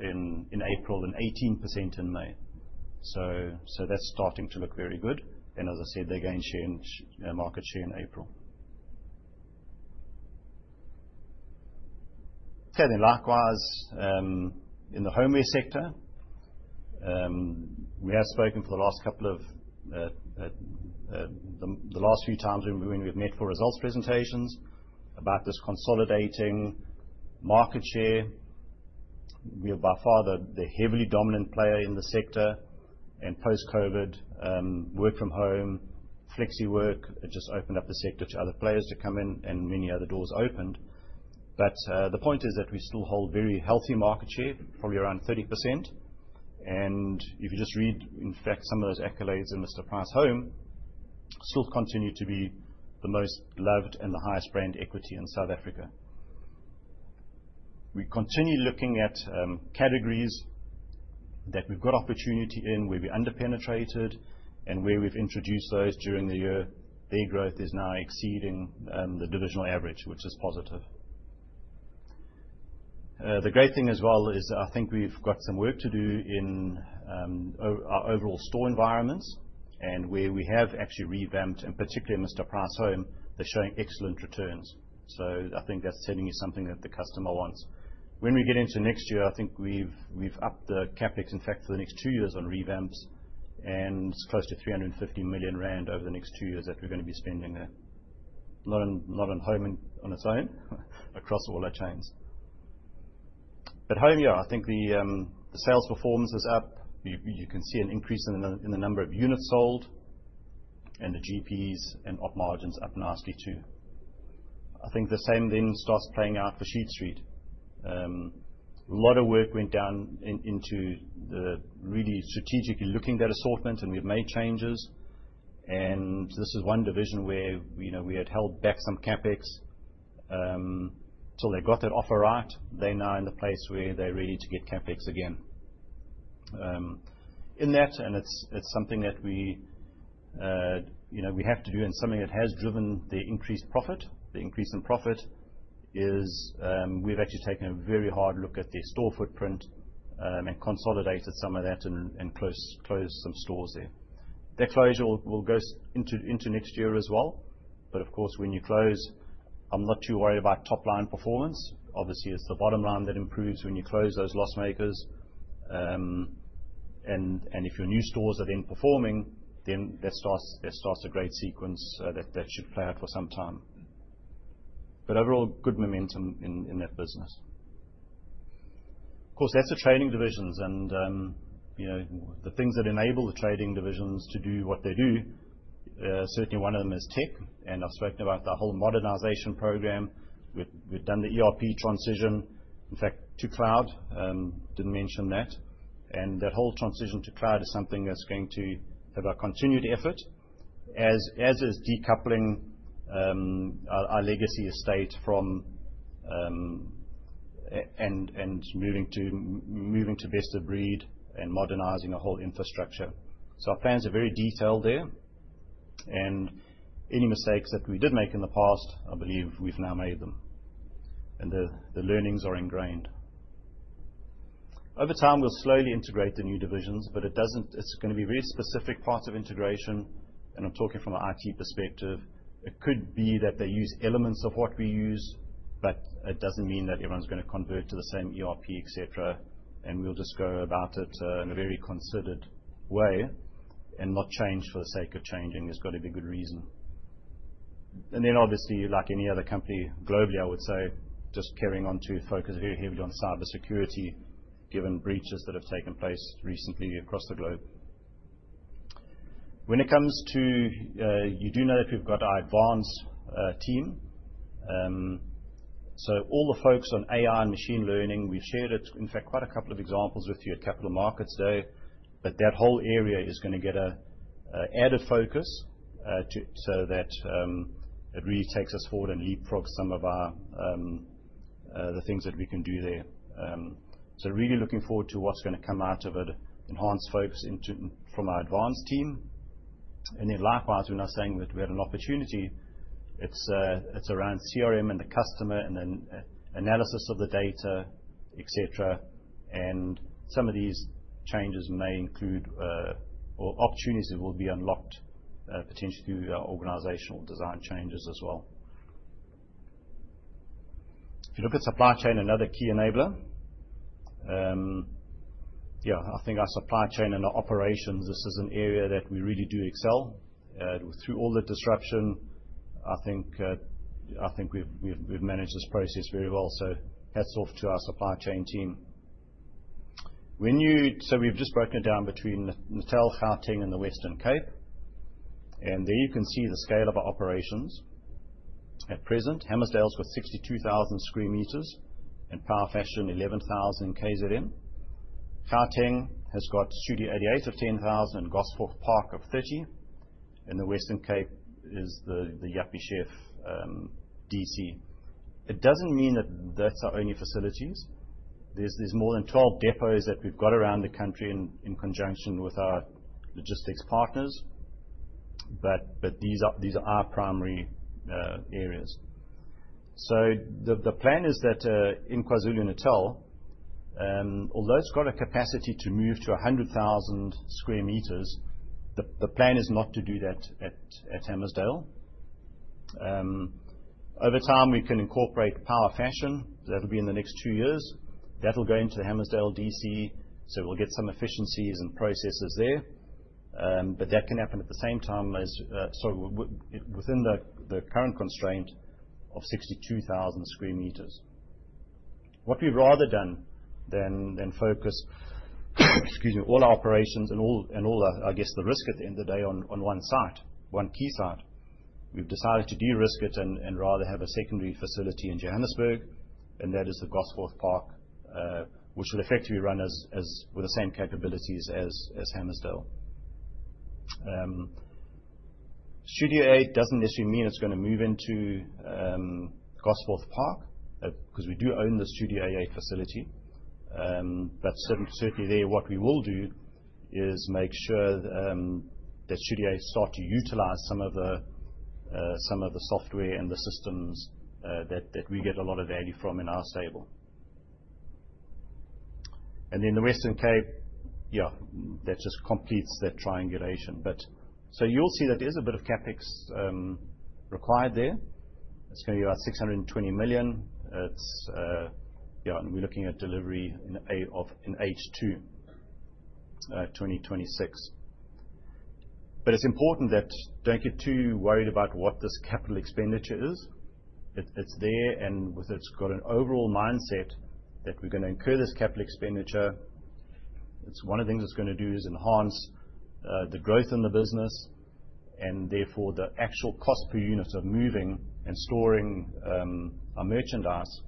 in April and 18% in May. That is starting to look very good. As I said, they gained market share in April. Okay, then likewise in the homeware sector, we have spoken for the last couple of the last few times when we've met for results presentations about this consolidating market share. We are by far the heavily dominant player in the sector, and post-COVID, work from home, flexi work, it just opened up the sector to other players to come in, and many other doors opened. The point is that we still hold very healthy market share, probably around 30%. If you just read, in fact, some of those accolades in Mr Price Home, still continue to be the most loved and the highest brand equity in South Africa. We continue looking at categories that we've got opportunity in, where we're underpenetrated, and where we've introduced those during the year, their growth is now exceeding the divisional average, which is positive. The great thing as well is I think we've got some work to do in our overall store environments and where we have actually revamped, and particularly in Mr Price Home, they're showing excellent returns. I think that's sending you something that the customer wants. When we get into next year, I think we've upped the CapEx, in fact, for the next two years on revamps, and it's close to 350 million rand over the next two years that we're going to be spending there. Not on home on its own, across all our chains. Home, yeah, I think the sales performance is up. You can see an increase in the number of units sold and the GPs and op margins up nicely too. I think the same then starts playing out for Sheet Street. A lot of work went down into the really strategically looking at that assortment, and we've made changes. This is one division where we had held back some CapEx. They got that offer right. They're now in the place where they're ready to get CapEx again. In that, and it's something that we have to do, and something that has driven the increased profit, the increase in profit, is we've actually taken a very hard look at their store footprint and consolidated some of that and closed some stores there. That closure will go into next year as well. Of course, when you close, I'm not too worried about top-line performance. Obviously, it's the bottom line that improves when you close those loss makers. If your new stores are then performing, then there starts a great sequence that should play out for some time. Overall, good momentum in that business. Of course, that's the trading divisions, and the things that enable the trading divisions to do what they do, certainly one of them is tech. I've spoken about the whole modernization program. We've done the ERP transition. In fact, to cloud, did not mention that. That whole transition to cloud is something that's going to have our continued effort, as is decoupling our legacy estate from and moving to best of breed and modernizing our whole infrastructure. Our plans are very detailed there. Any mistakes that we did make in the past, I believe we've now made them. The learnings are ingrained. Over time, we'll slowly integrate the new divisions, but it's going to be very specific parts of integration, and I'm talking from an IT perspective. It could be that they use elements of what we use, but it does not mean that everyone's going to convert to the same ERP, et cetera. We will just go about it in a very considered way and not change for the sake of changing. There has got to be a good reason. Obviously, like any other company globally, I would say, just carrying on to focus very heavily on cybersecurity given breaches that have taken place recently across the globe. When it comes to, you do know that we have got our advance team. All the folks on AI and machine learning, we have shared it, in fact, quite a couple of examples with you at Capital Markets Day, but that whole area is going to get an added focus so that it really takes us forward and leapfrogs some of the things that we can do there. So really looking forward to what's going to come out of it, enhanced focus from our advance team. Likewise, we're not saying that we had an opportunity. It's around CRM and the customer and then analysis of the data, et cetera. Some of these changes may include or opportunities that will be unlocked potentially through organizational design changes as well. If you look at supply chain, another key enabler. Yeah, I think our supply chain and our operations, this is an area that we really do excel. Through all the disruption, I think we've managed this process very well. Hats off to our supply chain team. We've just broken it down between Natal, Gauteng, and the Western Cape. There you can see the scale of our operations. At present, Hammarsdale's got 62,000 sq m and Power Fashion 11,000 sq m in KZN. Gauteng has got Studio 88 of 10,000 sq m and Gosforth Park of 30,000 sq m. And the Western Cape is the Yuppiechef DC. It does not mean that that is our only facilities. There are more than 12 depots that we have got around the country in conjunction with our logistics partners, but these are our primary areas. The plan is that in KwaZulu-Natal, although it has got a capacity to move to 100,000 sq m, the plan is not to do that at Hammarsdale. Over time, we can incorporate Power Fashion. That will be in the next two years. That will go into Hammarsdale DC, so we will get some efficiencies and processes there. That can happen at the same time as within the current constraint of 62,000 sq m. What we've rather done than focus, excuse me, all our operations and all our, I guess, the risk at the end of the day on one site, one key site. We've decided to de-risk it and rather have a secondary facility in Johannesburg, and that is the Gosforth Park, which will effectively run with the same capabilities as Hammarsdale. Studio 88 doesn't necessarily mean it's going to move into Gosforth Park because we do own the Studio 88 facility. Certainly there, what we will do is make sure that Studio 88 start to utilize some of the software and the systems that we get a lot of value from in our stable. The Western Cape, yeah, that just completes that triangulation. You'll see that there's a bit of CapEx required there. It's going to be about 620 million. Yeah, and we're looking at delivery in H2 2026. It is important that you do not get too worried about what this capital expenditure is. It is there, and it has an overall mindset that we are going to incur this capital expenditure. One of the things it is going to do is enhance the growth in the business and therefore the actual cost per unit of moving and storing our merchandise.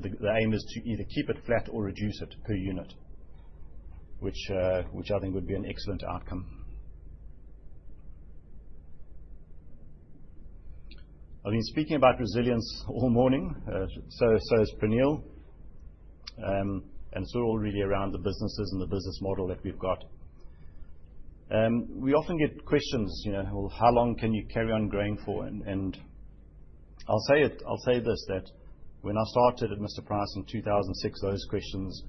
The aim is to either keep it flat or reduce it per unit, which I think would be an excellent outcome. I have been speaking about resilience all morning, so has Praneel, and it is all really around the businesses and the business model that we have. We often get questions, "How long can you carry on growing for?" I will say this, that when I started at Mr Price in 2006, those questions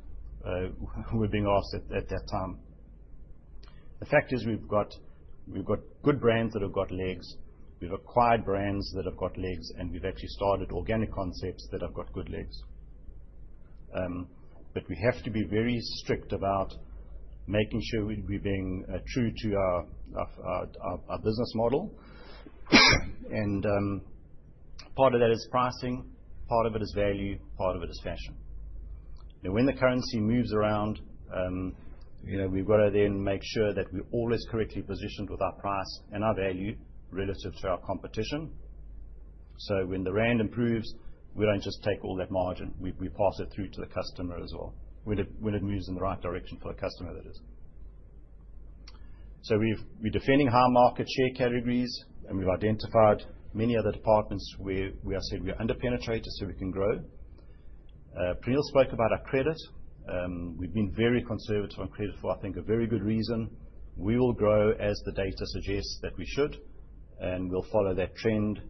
were being asked at that time. The fact is we've got good brands that have got legs. We've acquired brands that have got legs, and we've actually started organic concepts that have got good legs. We have to be very strict about making sure we're being true to our business model. Part of that is pricing, part of it is value, part of it is fashion. Now, when the currency moves around, we've got to then make sure that we're always correctly positioned with our price and our value relative to our competition. When the rand improves, we don't just take all that margin. We pass it through to the customer as well when it moves in the right direction for the customer, that is. We're defending high market share categories, and we've identified many other departments where we have said we are underpenetrated so we can grow. Praneel spoke about our credit. We've been very conservative on credit for, I think, a very good reason. We will grow as the data suggests that we should, and we'll follow that trend.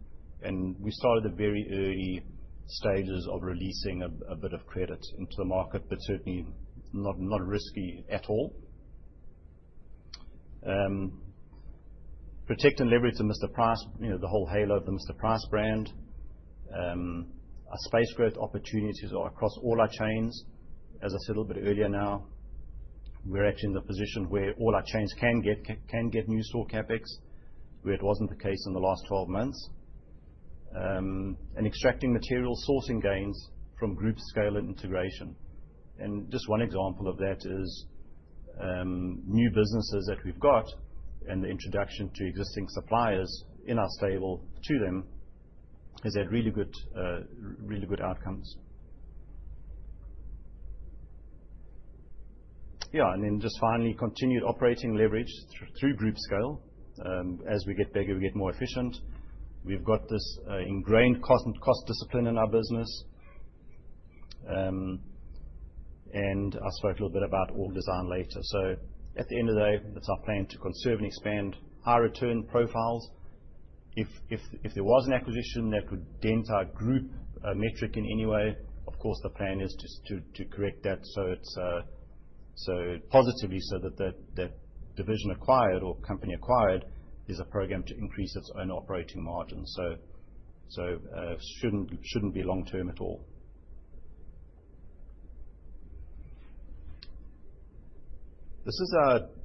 We started at very early stages of releasing a bit of credit into the market, but certainly not risky at all. Protect and leverage the whole halo of the Mr Price brand. Our space growth opportunities are across all our chains. As I said a little bit earlier now, we're actually in the position where all our chains can get new store CapEx, where it was not the case in the last 12 months. Extracting material sourcing gains from group scale and integration. Just one example of that is new businesses that we've got and the introduction to existing suppliers in our stable to them has had really good outcomes. Yeah, and then just finally, continued operating leverage through group scale. As we get bigger, we get more efficient. We've got this ingrained cost discipline in our business. I spoke a little bit about org design later. At the end of the day, it's our plan to conserve and expand high return profiles. If there was an acquisition that would dent our group metric in any way, of course, the plan is to correct that positively so that the division acquired or company acquired is a program to increase its own operating margin. It shouldn't be long-term at all.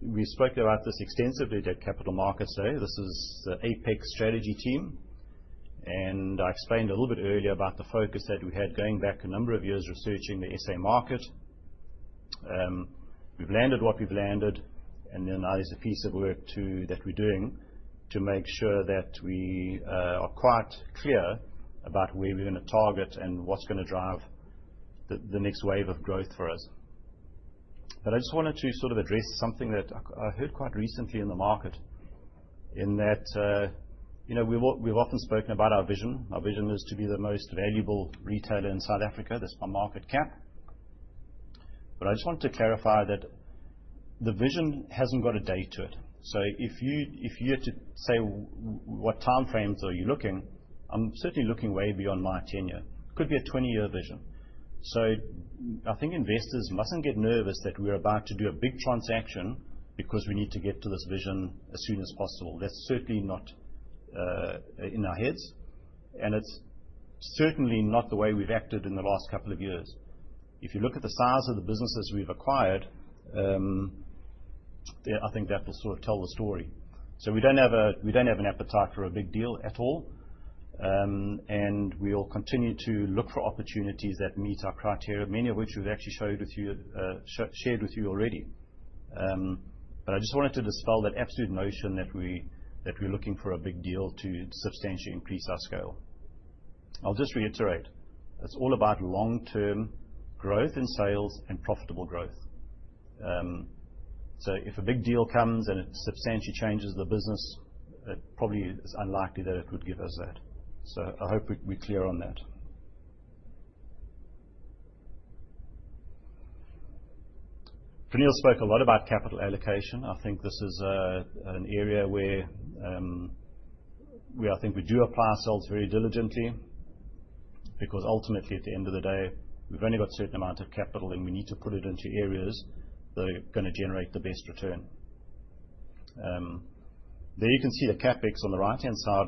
We spoke about this extensively at Capital Markets Day. This is the Apex strategy team. I explained a little bit earlier about the focus that we had going back a number of years researching the SA market. We've landed what we've landed, and then now there's a piece of work that we're doing to make sure that we are quite clear about where we're going to target and what's going to drive the next wave of growth for us. I just wanted to sort of address something that I heard quite recently in the market, in that we've often spoken about our vision. Our vision is to be the most valuable retailer in South Africa. That's by market cap. I just wanted to clarify that the vision hasn't got a date to it. If you had to say, "What timeframes are you looking?" I'm certainly looking way beyond my tenure. It could be a 20-year vision. I think investors mustn't get nervous that we're about to do a big transaction because we need to get to this vision as soon as possible. That's certainly not in our heads. It's certainly not the way we've acted in the last couple of years. If you look at the size of the businesses we've acquired, I think that will sort of tell the story. We don't have an appetite for a big deal at all. We'll continue to look for opportunities that meet our criteria, many of which we've actually shared with you already. I just wanted to dispel that absolute notion that we're looking for a big deal to substantially increase our scale. I'll just reiterate. It's all about long-term growth in sales and profitable growth. If a big deal comes and it substantially changes the business, it probably is unlikely that it would give us that. I hope we're clear on that. Praneel spoke a lot about capital allocation. I think this is an area where I think we do apply ourselves very diligently because ultimately, at the end of the day, we've only got a certain amount of capital, and we need to put it into areas that are going to generate the best return. There you can see the CapEx on the right-hand side,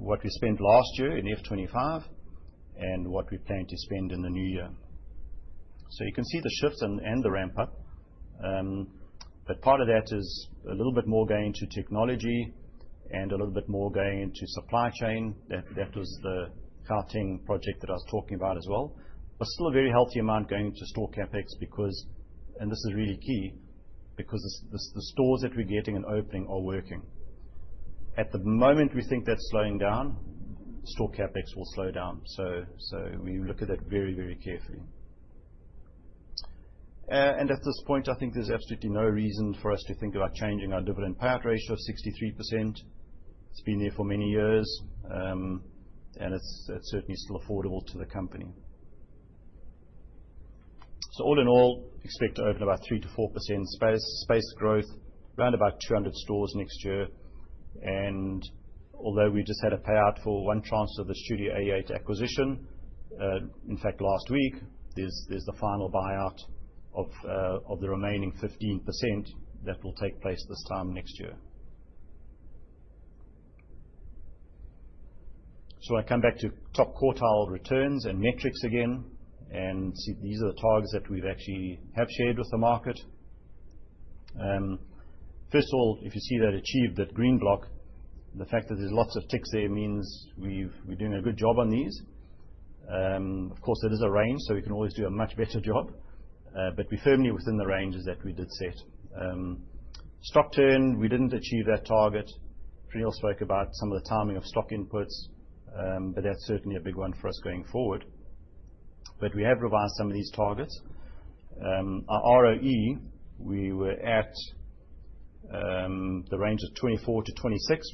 what we spent last year in F2025 and what we plan to spend in the new year. You can see the shifts and the ramp-up. Part of that is a little bit more going into technology and a little bit more going into supply chain. That was the Gauteng project that I was talking about as well. Still a very healthy amount going into store CapEx because—this is really key—the stores that we're getting and opening are working. At the moment, we think that's slowing down. Store CapEx will slow down. We look at that very, very carefully. At this point, I think there is absolutely no reason for us to think about changing our dividend payout ratio of 63%. It has been there for many years, and it is certainly still affordable to the company. All in all, expect to open about 3%-4% space growth, around 200 stores next year. Although we just had a payout for one transfer of the Studio 88 acquisition, in fact, last week, there is the final buyout of the remaining 15% that will take place this time next year. I come back to top quartile returns and metrics again. These are the targets that we have actually shared with the market. First of all, if you see that achieved, that green block, the fact that there's lots of ticks there means we're doing a good job on these. Of course, there is a range, so we can always do a much better job. We are firmly within the ranges that we did set. Stock turn, we did not achieve that target. Praneel spoke about some of the timing of stock inputs, but that is certainly a big one for us going forward. We have revised some of these targets. Our ROE, we were at the range of 24%-26%.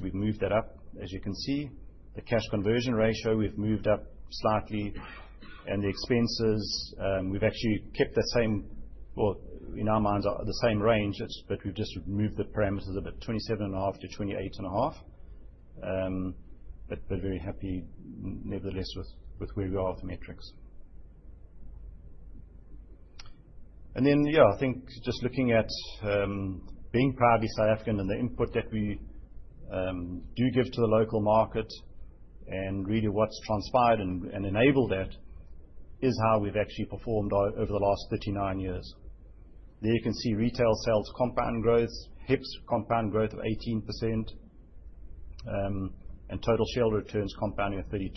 We have moved that up, as you can see. The cash conversion ratio, we have moved up slightly. The expenses, we have actually kept the same—in our minds, the same range, but we have just moved the parameters a bit—27.5%-28.5%. Very happy, nevertheless, with where we are with the metrics. Yeah, I think just looking at being proudly South African and the input that we do give to the local market and really what has transpired and enabled that is how we have actually performed over the last 39 years. There you can see retail sales compound growth, HEPS compound growth of 18%, and total share returns compounding of 32%.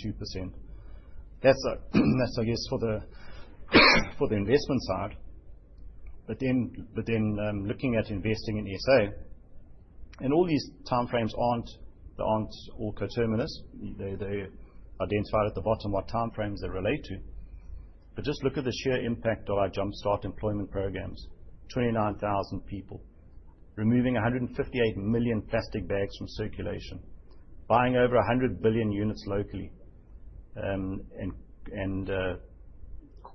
That is, I guess, for the investment side. Looking at investing in SA, all these timeframes are not all coterminous. They identify at the bottom what timeframes they relate to. Just look at the sheer impact of our jumpstart employment programs. 29,000 people, removing 158 million plastic bags from circulation, buying over 100 billion units locally, and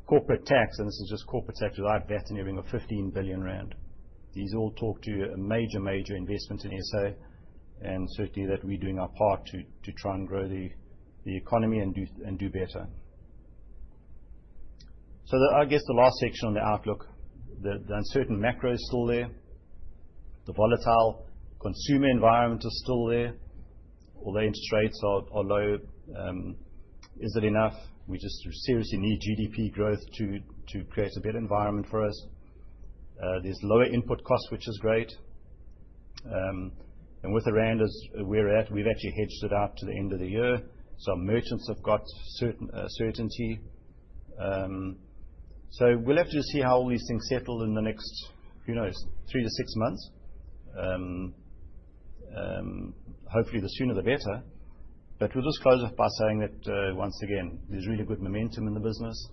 corporate tax—and this is just corporate tax without VAT—and you are having a 15 billion rand. These all talk to major, major investments in SA, and certainly that we're doing our part to try and grow the economy and do better. I guess the last section on the outlook, the uncertain macro is still there. The volatile consumer environment is still there. Although interest rates are low, is it enough? We just seriously need GDP growth to create a better environment for us. There are lower input costs, which is great. With the rand where we're at, we've actually hedged it out to the end of the year. Merchants have got certainty. We will have to just see how all these things settle in the next three to six months. Hopefully, the sooner the better. We will just close off by saying that, once again, there is really good momentum in the business.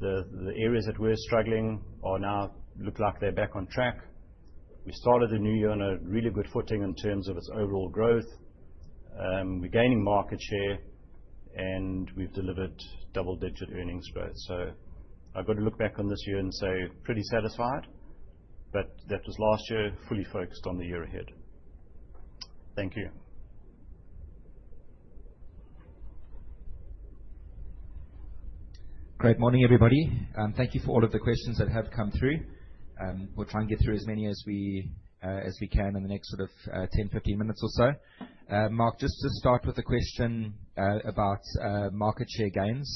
The areas that were struggling now look like they're back on track. We started the new year on a really good footing in terms of its overall growth. We're gaining market share, and we've delivered double-digit earnings growth. I've got to look back on this year and say pretty satisfied, but that was last year, fully focused on the year ahead. Thank you. Great morning, everybody. Thank you for all of the questions that have come through. We'll try and get through as many as we can in the next sort of 10 minutes-15 minutes or so. Mark, just to start with the question about market share gains,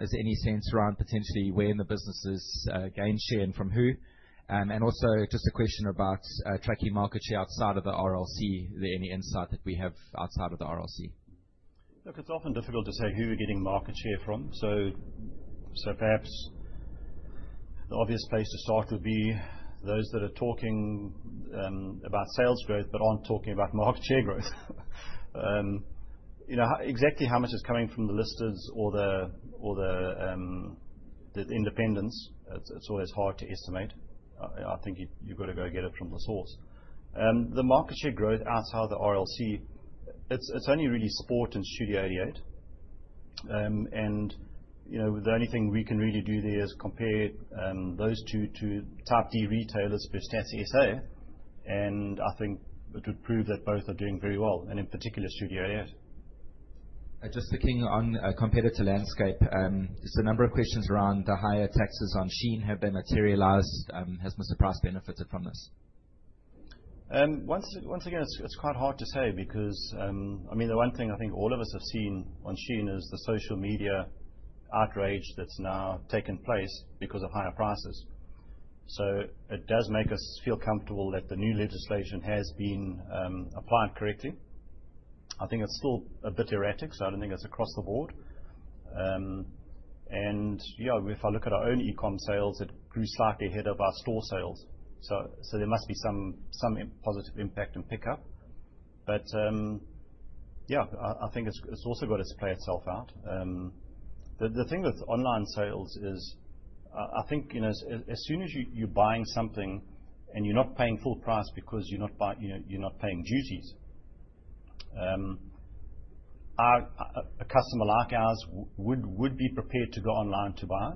is there any sense around potentially where in the business is gain share and from who? Also just a question about tracking market share outside of the RLC, is there any insight that we have outside of the RLC? Look, it's often difficult to say who you're getting market share from. Perhaps the obvious place to start would be those that are talking about sales growth but aren't talking about market share growth. Exactly how much is coming from the listed or the independents, it's always hard to estimate. I think you've got to go get it from the source. The market share growth outside of the RLC, it's only really sport and Studio 88. The only thing we can really do there is compare those two to type D retailers, which that's SA. I think it would prove that both are doing very well, and in particular, Studio 88. Just looking on competitor landscape, there's a number of questions around the higher taxes on Shein have been materialized. Has Mr Price benefited from this? Once again, it's quite hard to say because, I mean, the one thing I think all of us have seen on Shein is the social media outrage that's now taken place because of higher prices. It does make us feel comfortable that the new legislation has been applied correctly. I think it's still a bit erratic, so I don't think it's across the board. Yeah, if I look at our own e-com sales, it grew slightly ahead of our store sales. There must be some positive impact and pickup. Yeah, I think it's also got to play itself out. The thing with online sales is, I think as soon as you're buying something and you're not paying full price because you're not paying duties, a customer like ours would be prepared to go online to buy.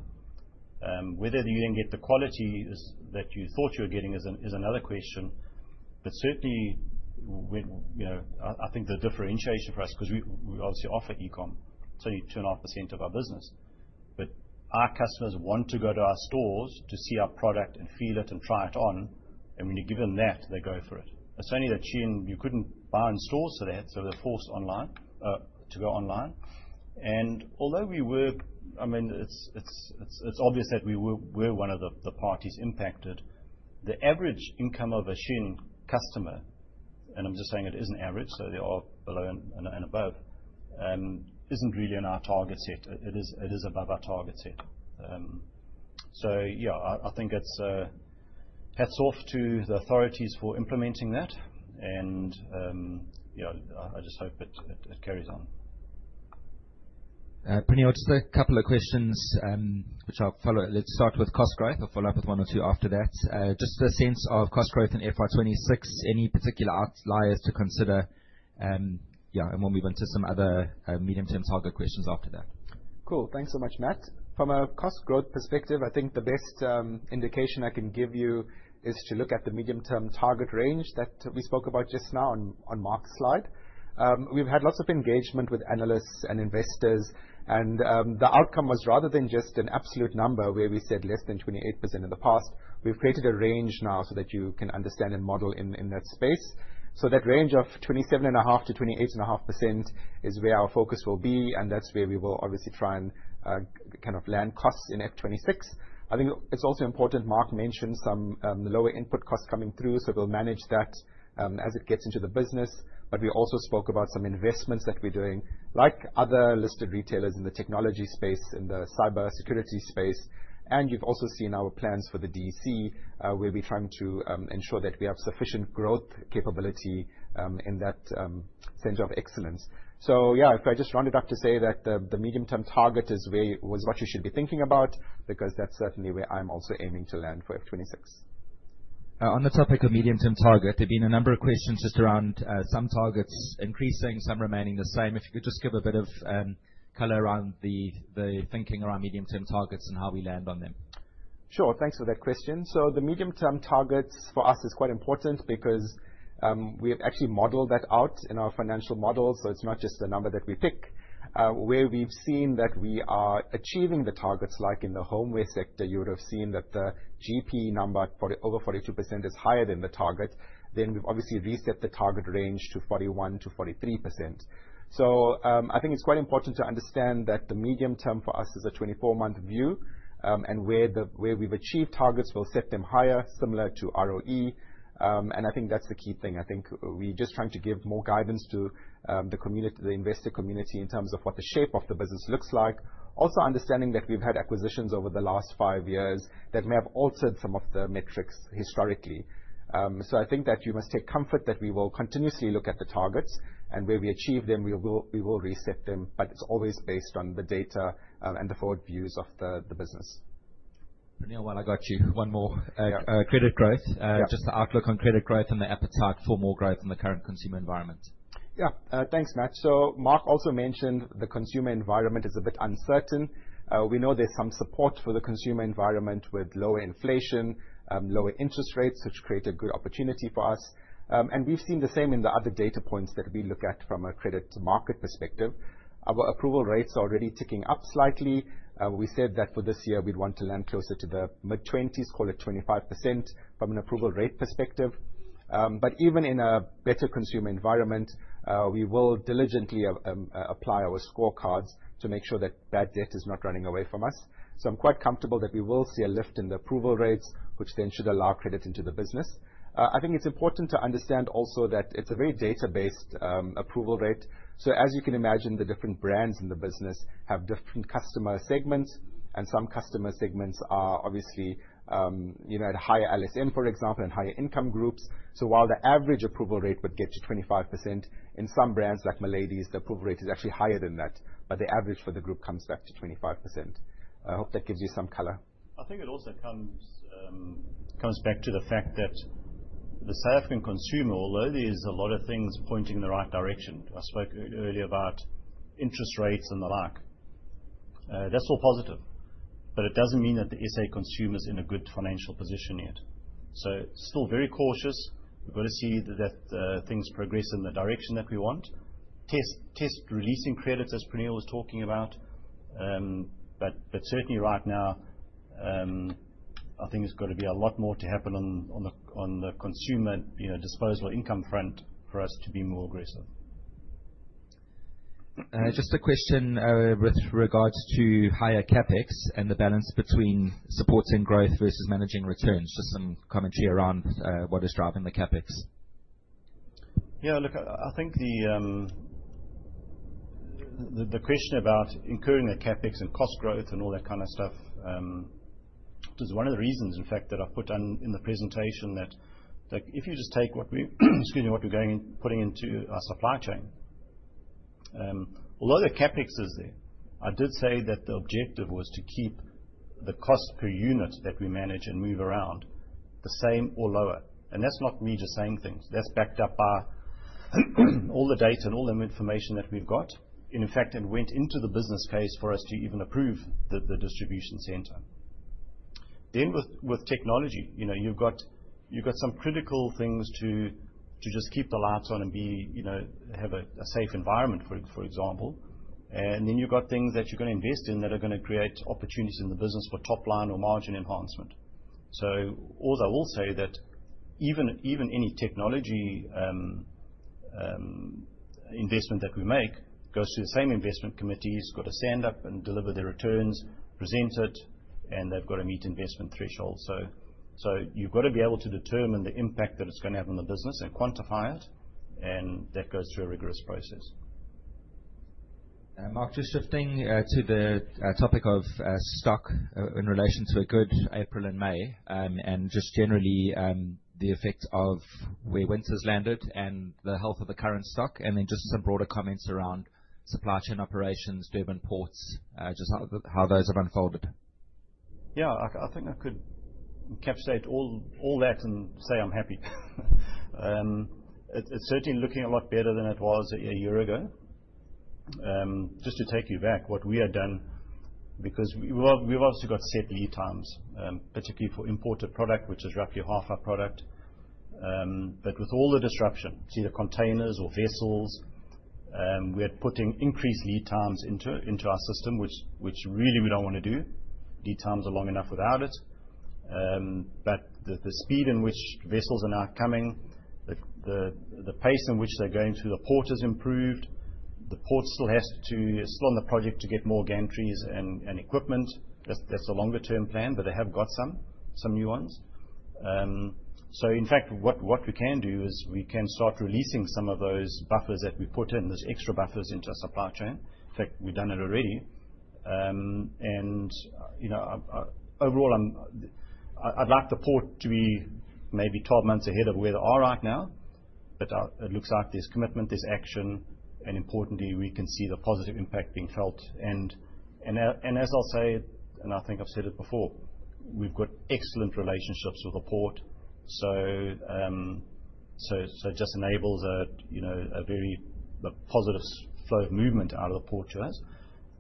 Whether you then get the quality that you thought you were getting is another question. Certainly, I think the differentiation for us, because we obviously offer e-com, it's only 2.5% of our business. Our customers want to go to our stores to see our product and feel it and try it on. When you're given that, they go for it. It's only that Shein, you couldn't buy in stores for that, so they're forced to go online. Although we were, I mean, it's obvious that we were one of the parties impacted, the average income of a Shein customer, and I'm just saying it is an average, so they are below and above, isn't really in our target set. It is above our target set. Yeah, I think it's hats off to the authorities for implementing that. Yeah, I just hope it carries on. Praneel, just a couple of questions, which I'll follow. Let's start with cost growth. I'll follow up with one or two after that. Just a sense of cost growth in FY2026, any particular outliers to consider? Yeah, and we'll move on to some other medium-term target questions after that. Cool. Thanks so much, Matt. From a cost growth perspective, I think the best indication I can give you is to look at the medium-term target range that we spoke about just now on Mark's slide. We've had lots of engagement with analysts and investors, and the outcome was rather than just an absolute number where we said less than 28% in the past. We've created a range now so that you can understand and model in that space. That range of 27.5%-28.5% is where our focus will be, and that's where we will obviously try and kind of land costs in F2026. I think it's also important Mark mentioned some lower input costs coming through, so we'll manage that as it gets into the business. We also spoke about some investments that we're doing, like other listed retailers in the technology space, in the cybersecurity space. You have also seen our plans for the DC, where we're trying to ensure that we have sufficient growth capability in that center of excellence. Yeah, if I just rounded up to say that the medium-term target is what you should be thinking about, because that's certainly where I'm also aiming to land for F2026. On the topic of medium-term target, there have been a number of questions just around some targets increasing, some remaining the same. If you could just give a bit of color around the thinking around medium-term targets and how we land on them. Sure. Thanks for that question. The medium-term targets for us is quite important because we have actually modeled that out in our financial models. It is not just a number that we pick. Where we have seen that we are achieving the targets, like in the homeware sector, you would have seen that the GP number, over 42%, is higher than the target. We have obviously reset the target range to 41%-43%. I think it is quite important to understand that the medium term for us is a 24-month view, and where we have achieved targets, we will set them higher, similar to ROE. I think that is the key thing. I think we are just trying to give more guidance to the investor community in terms of what the shape of the business looks like. Also understanding that we've had acquisitions over the last five years that may have altered some of the metrics historically. I think that you must take comfort that we will continuously look at the targets, and where we achieve them, we will reset them. It is always based on the data and the forward views of the business. Praneel, while I got you, one more. Credit growth, just the outlook on credit growth and the appetite for more growth in the current consumer environment. Yeah, thanks, Matt. Mark also mentioned the consumer environment is a bit uncertain. We know there's some support for the consumer environment with lower inflation, lower interest rates, which create a good opportunity for us. We've seen the same in the other data points that we look at from a credit market perspective. Our approval rates are already ticking up slightly. We said that for this year, we'd want to land closer to the mid-20s, call it 25% from an approval rate perspective. Even in a better consumer environment, we will diligently apply our scorecards to make sure that bad debt is not running away from us. I'm quite comfortable that we will see a lift in the approval rates, which then should allow credit into the business. I think it's important to understand also that it's a very data-based approval rate. As you can imagine, the different brands in the business have different customer segments, and some customer segments are obviously at higher LSM, for example, and higher income groups. While the average approval rate would get to 25%, in some brands like MILADYS, the approval rate is actually higher than that, but the average for the group comes back to 25%. I hope that gives you some color. I think it also comes back to the fact that the South African consumer, although there's a lot of things pointing in the right direction, I spoke earlier about interest rates and the like. That's all positive, but it doesn't mean that the SA consumer is in a good financial position yet. Still very cautious. We've got to see that things progress in the direction that we want. Test releasing credits as Praneel was talking about. Certainly right now, I think there's got to be a lot more to happen on the consumer disposal income front for us to be more aggressive. Just a question with regards to higher CapEx and the balance between supporting growth versus managing returns. Just some commentary around what is driving the CapEx. Yeah, look, I think the question about incurring the CapEx and cost growth and all that kind of stuff is one of the reasons, in fact, that I've put in the presentation that if you just take what we're putting into our supply chain, although the CapEx is there, I did say that the objective was to keep the cost per unit that we manage and move around the same or lower. That's not really the same thing. That's backed up by all the data and all the information that we've got. In fact, it went into the business case for us to even approve the distribution center. With technology, you've got some critical things to just keep the lights on and have a safe environment, for example. You have things that you are going to invest in that are going to create opportunities in the business for top line or margin enhancement. Although I will say that even any technology investment that we make goes to the same investment committee who has to stand up and deliver the returns, present it, and they have to meet investment thresholds. You have to be able to determine the impact that it is going to have on the business and quantify it, and that goes through a rigorous process. Mark, just shifting to the topic of stock in relation to a good April and May, and just generally the effect of where winter's landed and the health of the current stock, and then just some broader comments around supply chain operations, Durban ports, just how those have unfolded. Yeah, I think I could encapsulate all that and say I'm happy. It's certainly looking a lot better than it was a year ago. Just to take you back, what we had done, because we've obviously got set lead times, particularly for imported product, which is roughly half our product. With all the disruption, see the containers or vessels, we're putting increased lead times into our system, which really we don't want to do. Lead times are long enough without it. The speed in which vessels are now coming, the pace in which they're going through the port has improved. The port still has to, it's still on the project to get more gantries and equipment. That's a longer-term plan, but they have got some new ones. In fact, what we can do is we can start releasing some of those buffers that we put in, those extra buffers into our supply chain. In fact, we've done it already. Overall, I'd like the port to be maybe 12 months ahead of where they are right now, but it looks like there's commitment, there's action, and importantly, we can see the positive impact being felt. As I'll say, and I think I've said it before, we've got excellent relationships with the port. It just enables a very positive flow of movement out of the port to us.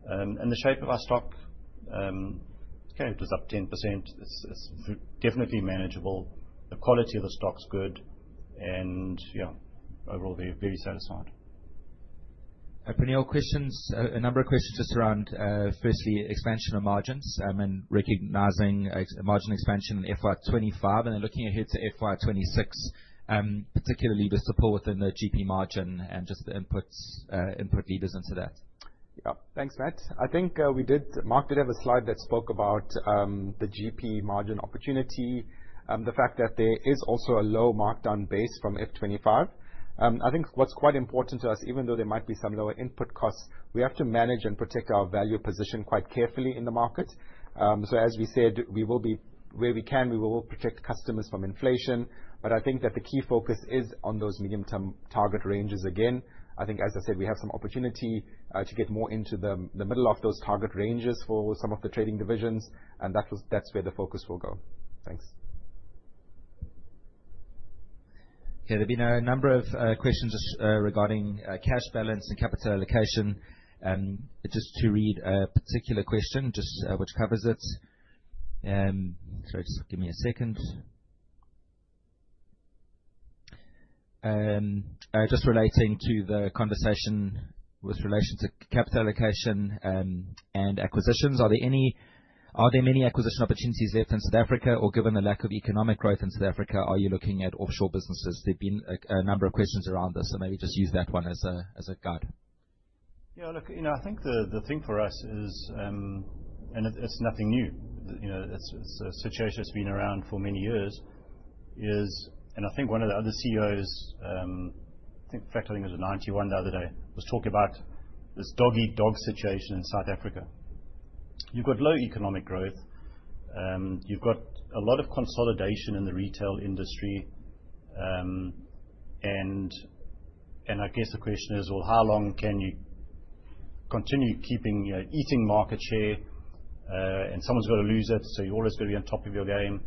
The shape of our stock, okay, it was up 10%. It's definitely manageable. The quality of the stock's good. Yeah, overall, we're very satisfied. Praneel, a number of questions just around, firstly, expansion of margins and recognizing margin expansion in FY 2025, and then looking ahead to FY 2026, particularly just to pull within the GP margin and just the input levers into that. Yeah, thanks, Matt. I think we did, Mark did have a slide that spoke about the GP margin opportunity, the fact that there is also a low markdown base from F2025. I think what's quite important to us, even though there might be some lower input costs, we have to manage and protect our value position quite carefully in the markets. As we said, where we can, we will protect customers from inflation. I think that the key focus is on those medium-term target ranges again. I think, as I said, we have some opportunity to get more into the middle of those target ranges for some of the trading divisions, and that's where the focus will go. Thanks. Yeah, there've been a number of questions regarding cash balance and capital allocation. Just to read a particular question, just which covers it. Sorry, just give me a second. Just relating to the conversation with relation to capital allocation and acquisitions, are there many acquisition opportunities left in South Africa, or given the lack of economic growth in South Africa, are you looking at offshore businesses? There've been a number of questions around this, so maybe just use that one as a guide. Yeah, look, I think the thing for us is, and it's nothing new. It's a situation that's been around for many years. I think one of the other CEOs, I think, in fact, I think it was at Ninety One the other day, was talking about this dog-eat-dog situation in South Africa. You've got low economic growth. You've got a lot of consolidation in the retail industry. I guess the question is, how long can you continue keeping eating market share? Someone's got to lose it, so you've always got to be on top of your game.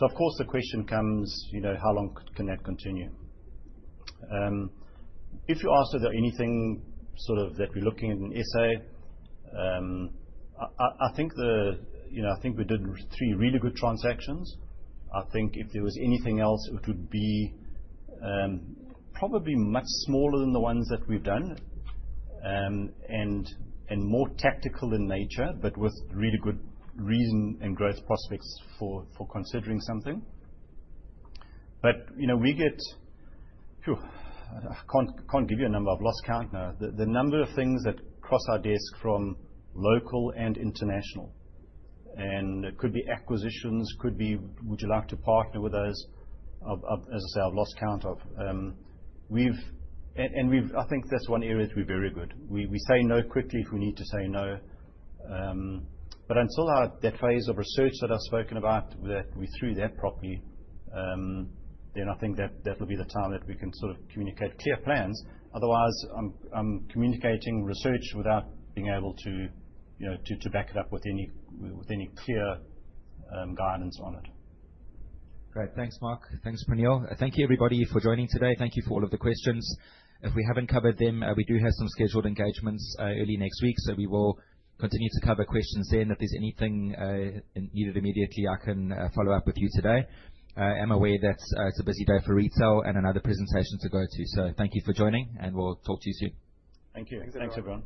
Of course, the question comes, how long can that continue? If you asked if there's anything sort of that we're looking at in SA, I think we did three really good transactions. I think if there was anything else, it would be probably much smaller than the ones that we've done and more tactical in nature, but with really good reason and growth prospects for considering something. We get, I can't give you a number, I've lost count now. The number of things that cross our desk from local and international, and it could be acquisitions, could be, would you like to partner with us, as I say, I've lost count. I think that's one area that we're very good. We say no quickly if we need to say no. Until that phase of research that I've spoken about, that we do that properly, then I think that will be the time that we can sort of communicate clear plans. Otherwise, I'm communicating research without being able to back it up with any clear guidance on it. Great. Thanks, Mark. Thanks, Praneel. Thank you, everybody, for joining today. Thank you for all of the questions. If we haven't covered them, we do have some scheduled engagements early next week, so we will continue to cover questions then. If there's anything needed immediately, I can follow up with you today. I'm aware that it's a busy day for retail and another presentation to go to. Thank you for joining, and we'll talk to you soon. Thank you. Thanks everyone.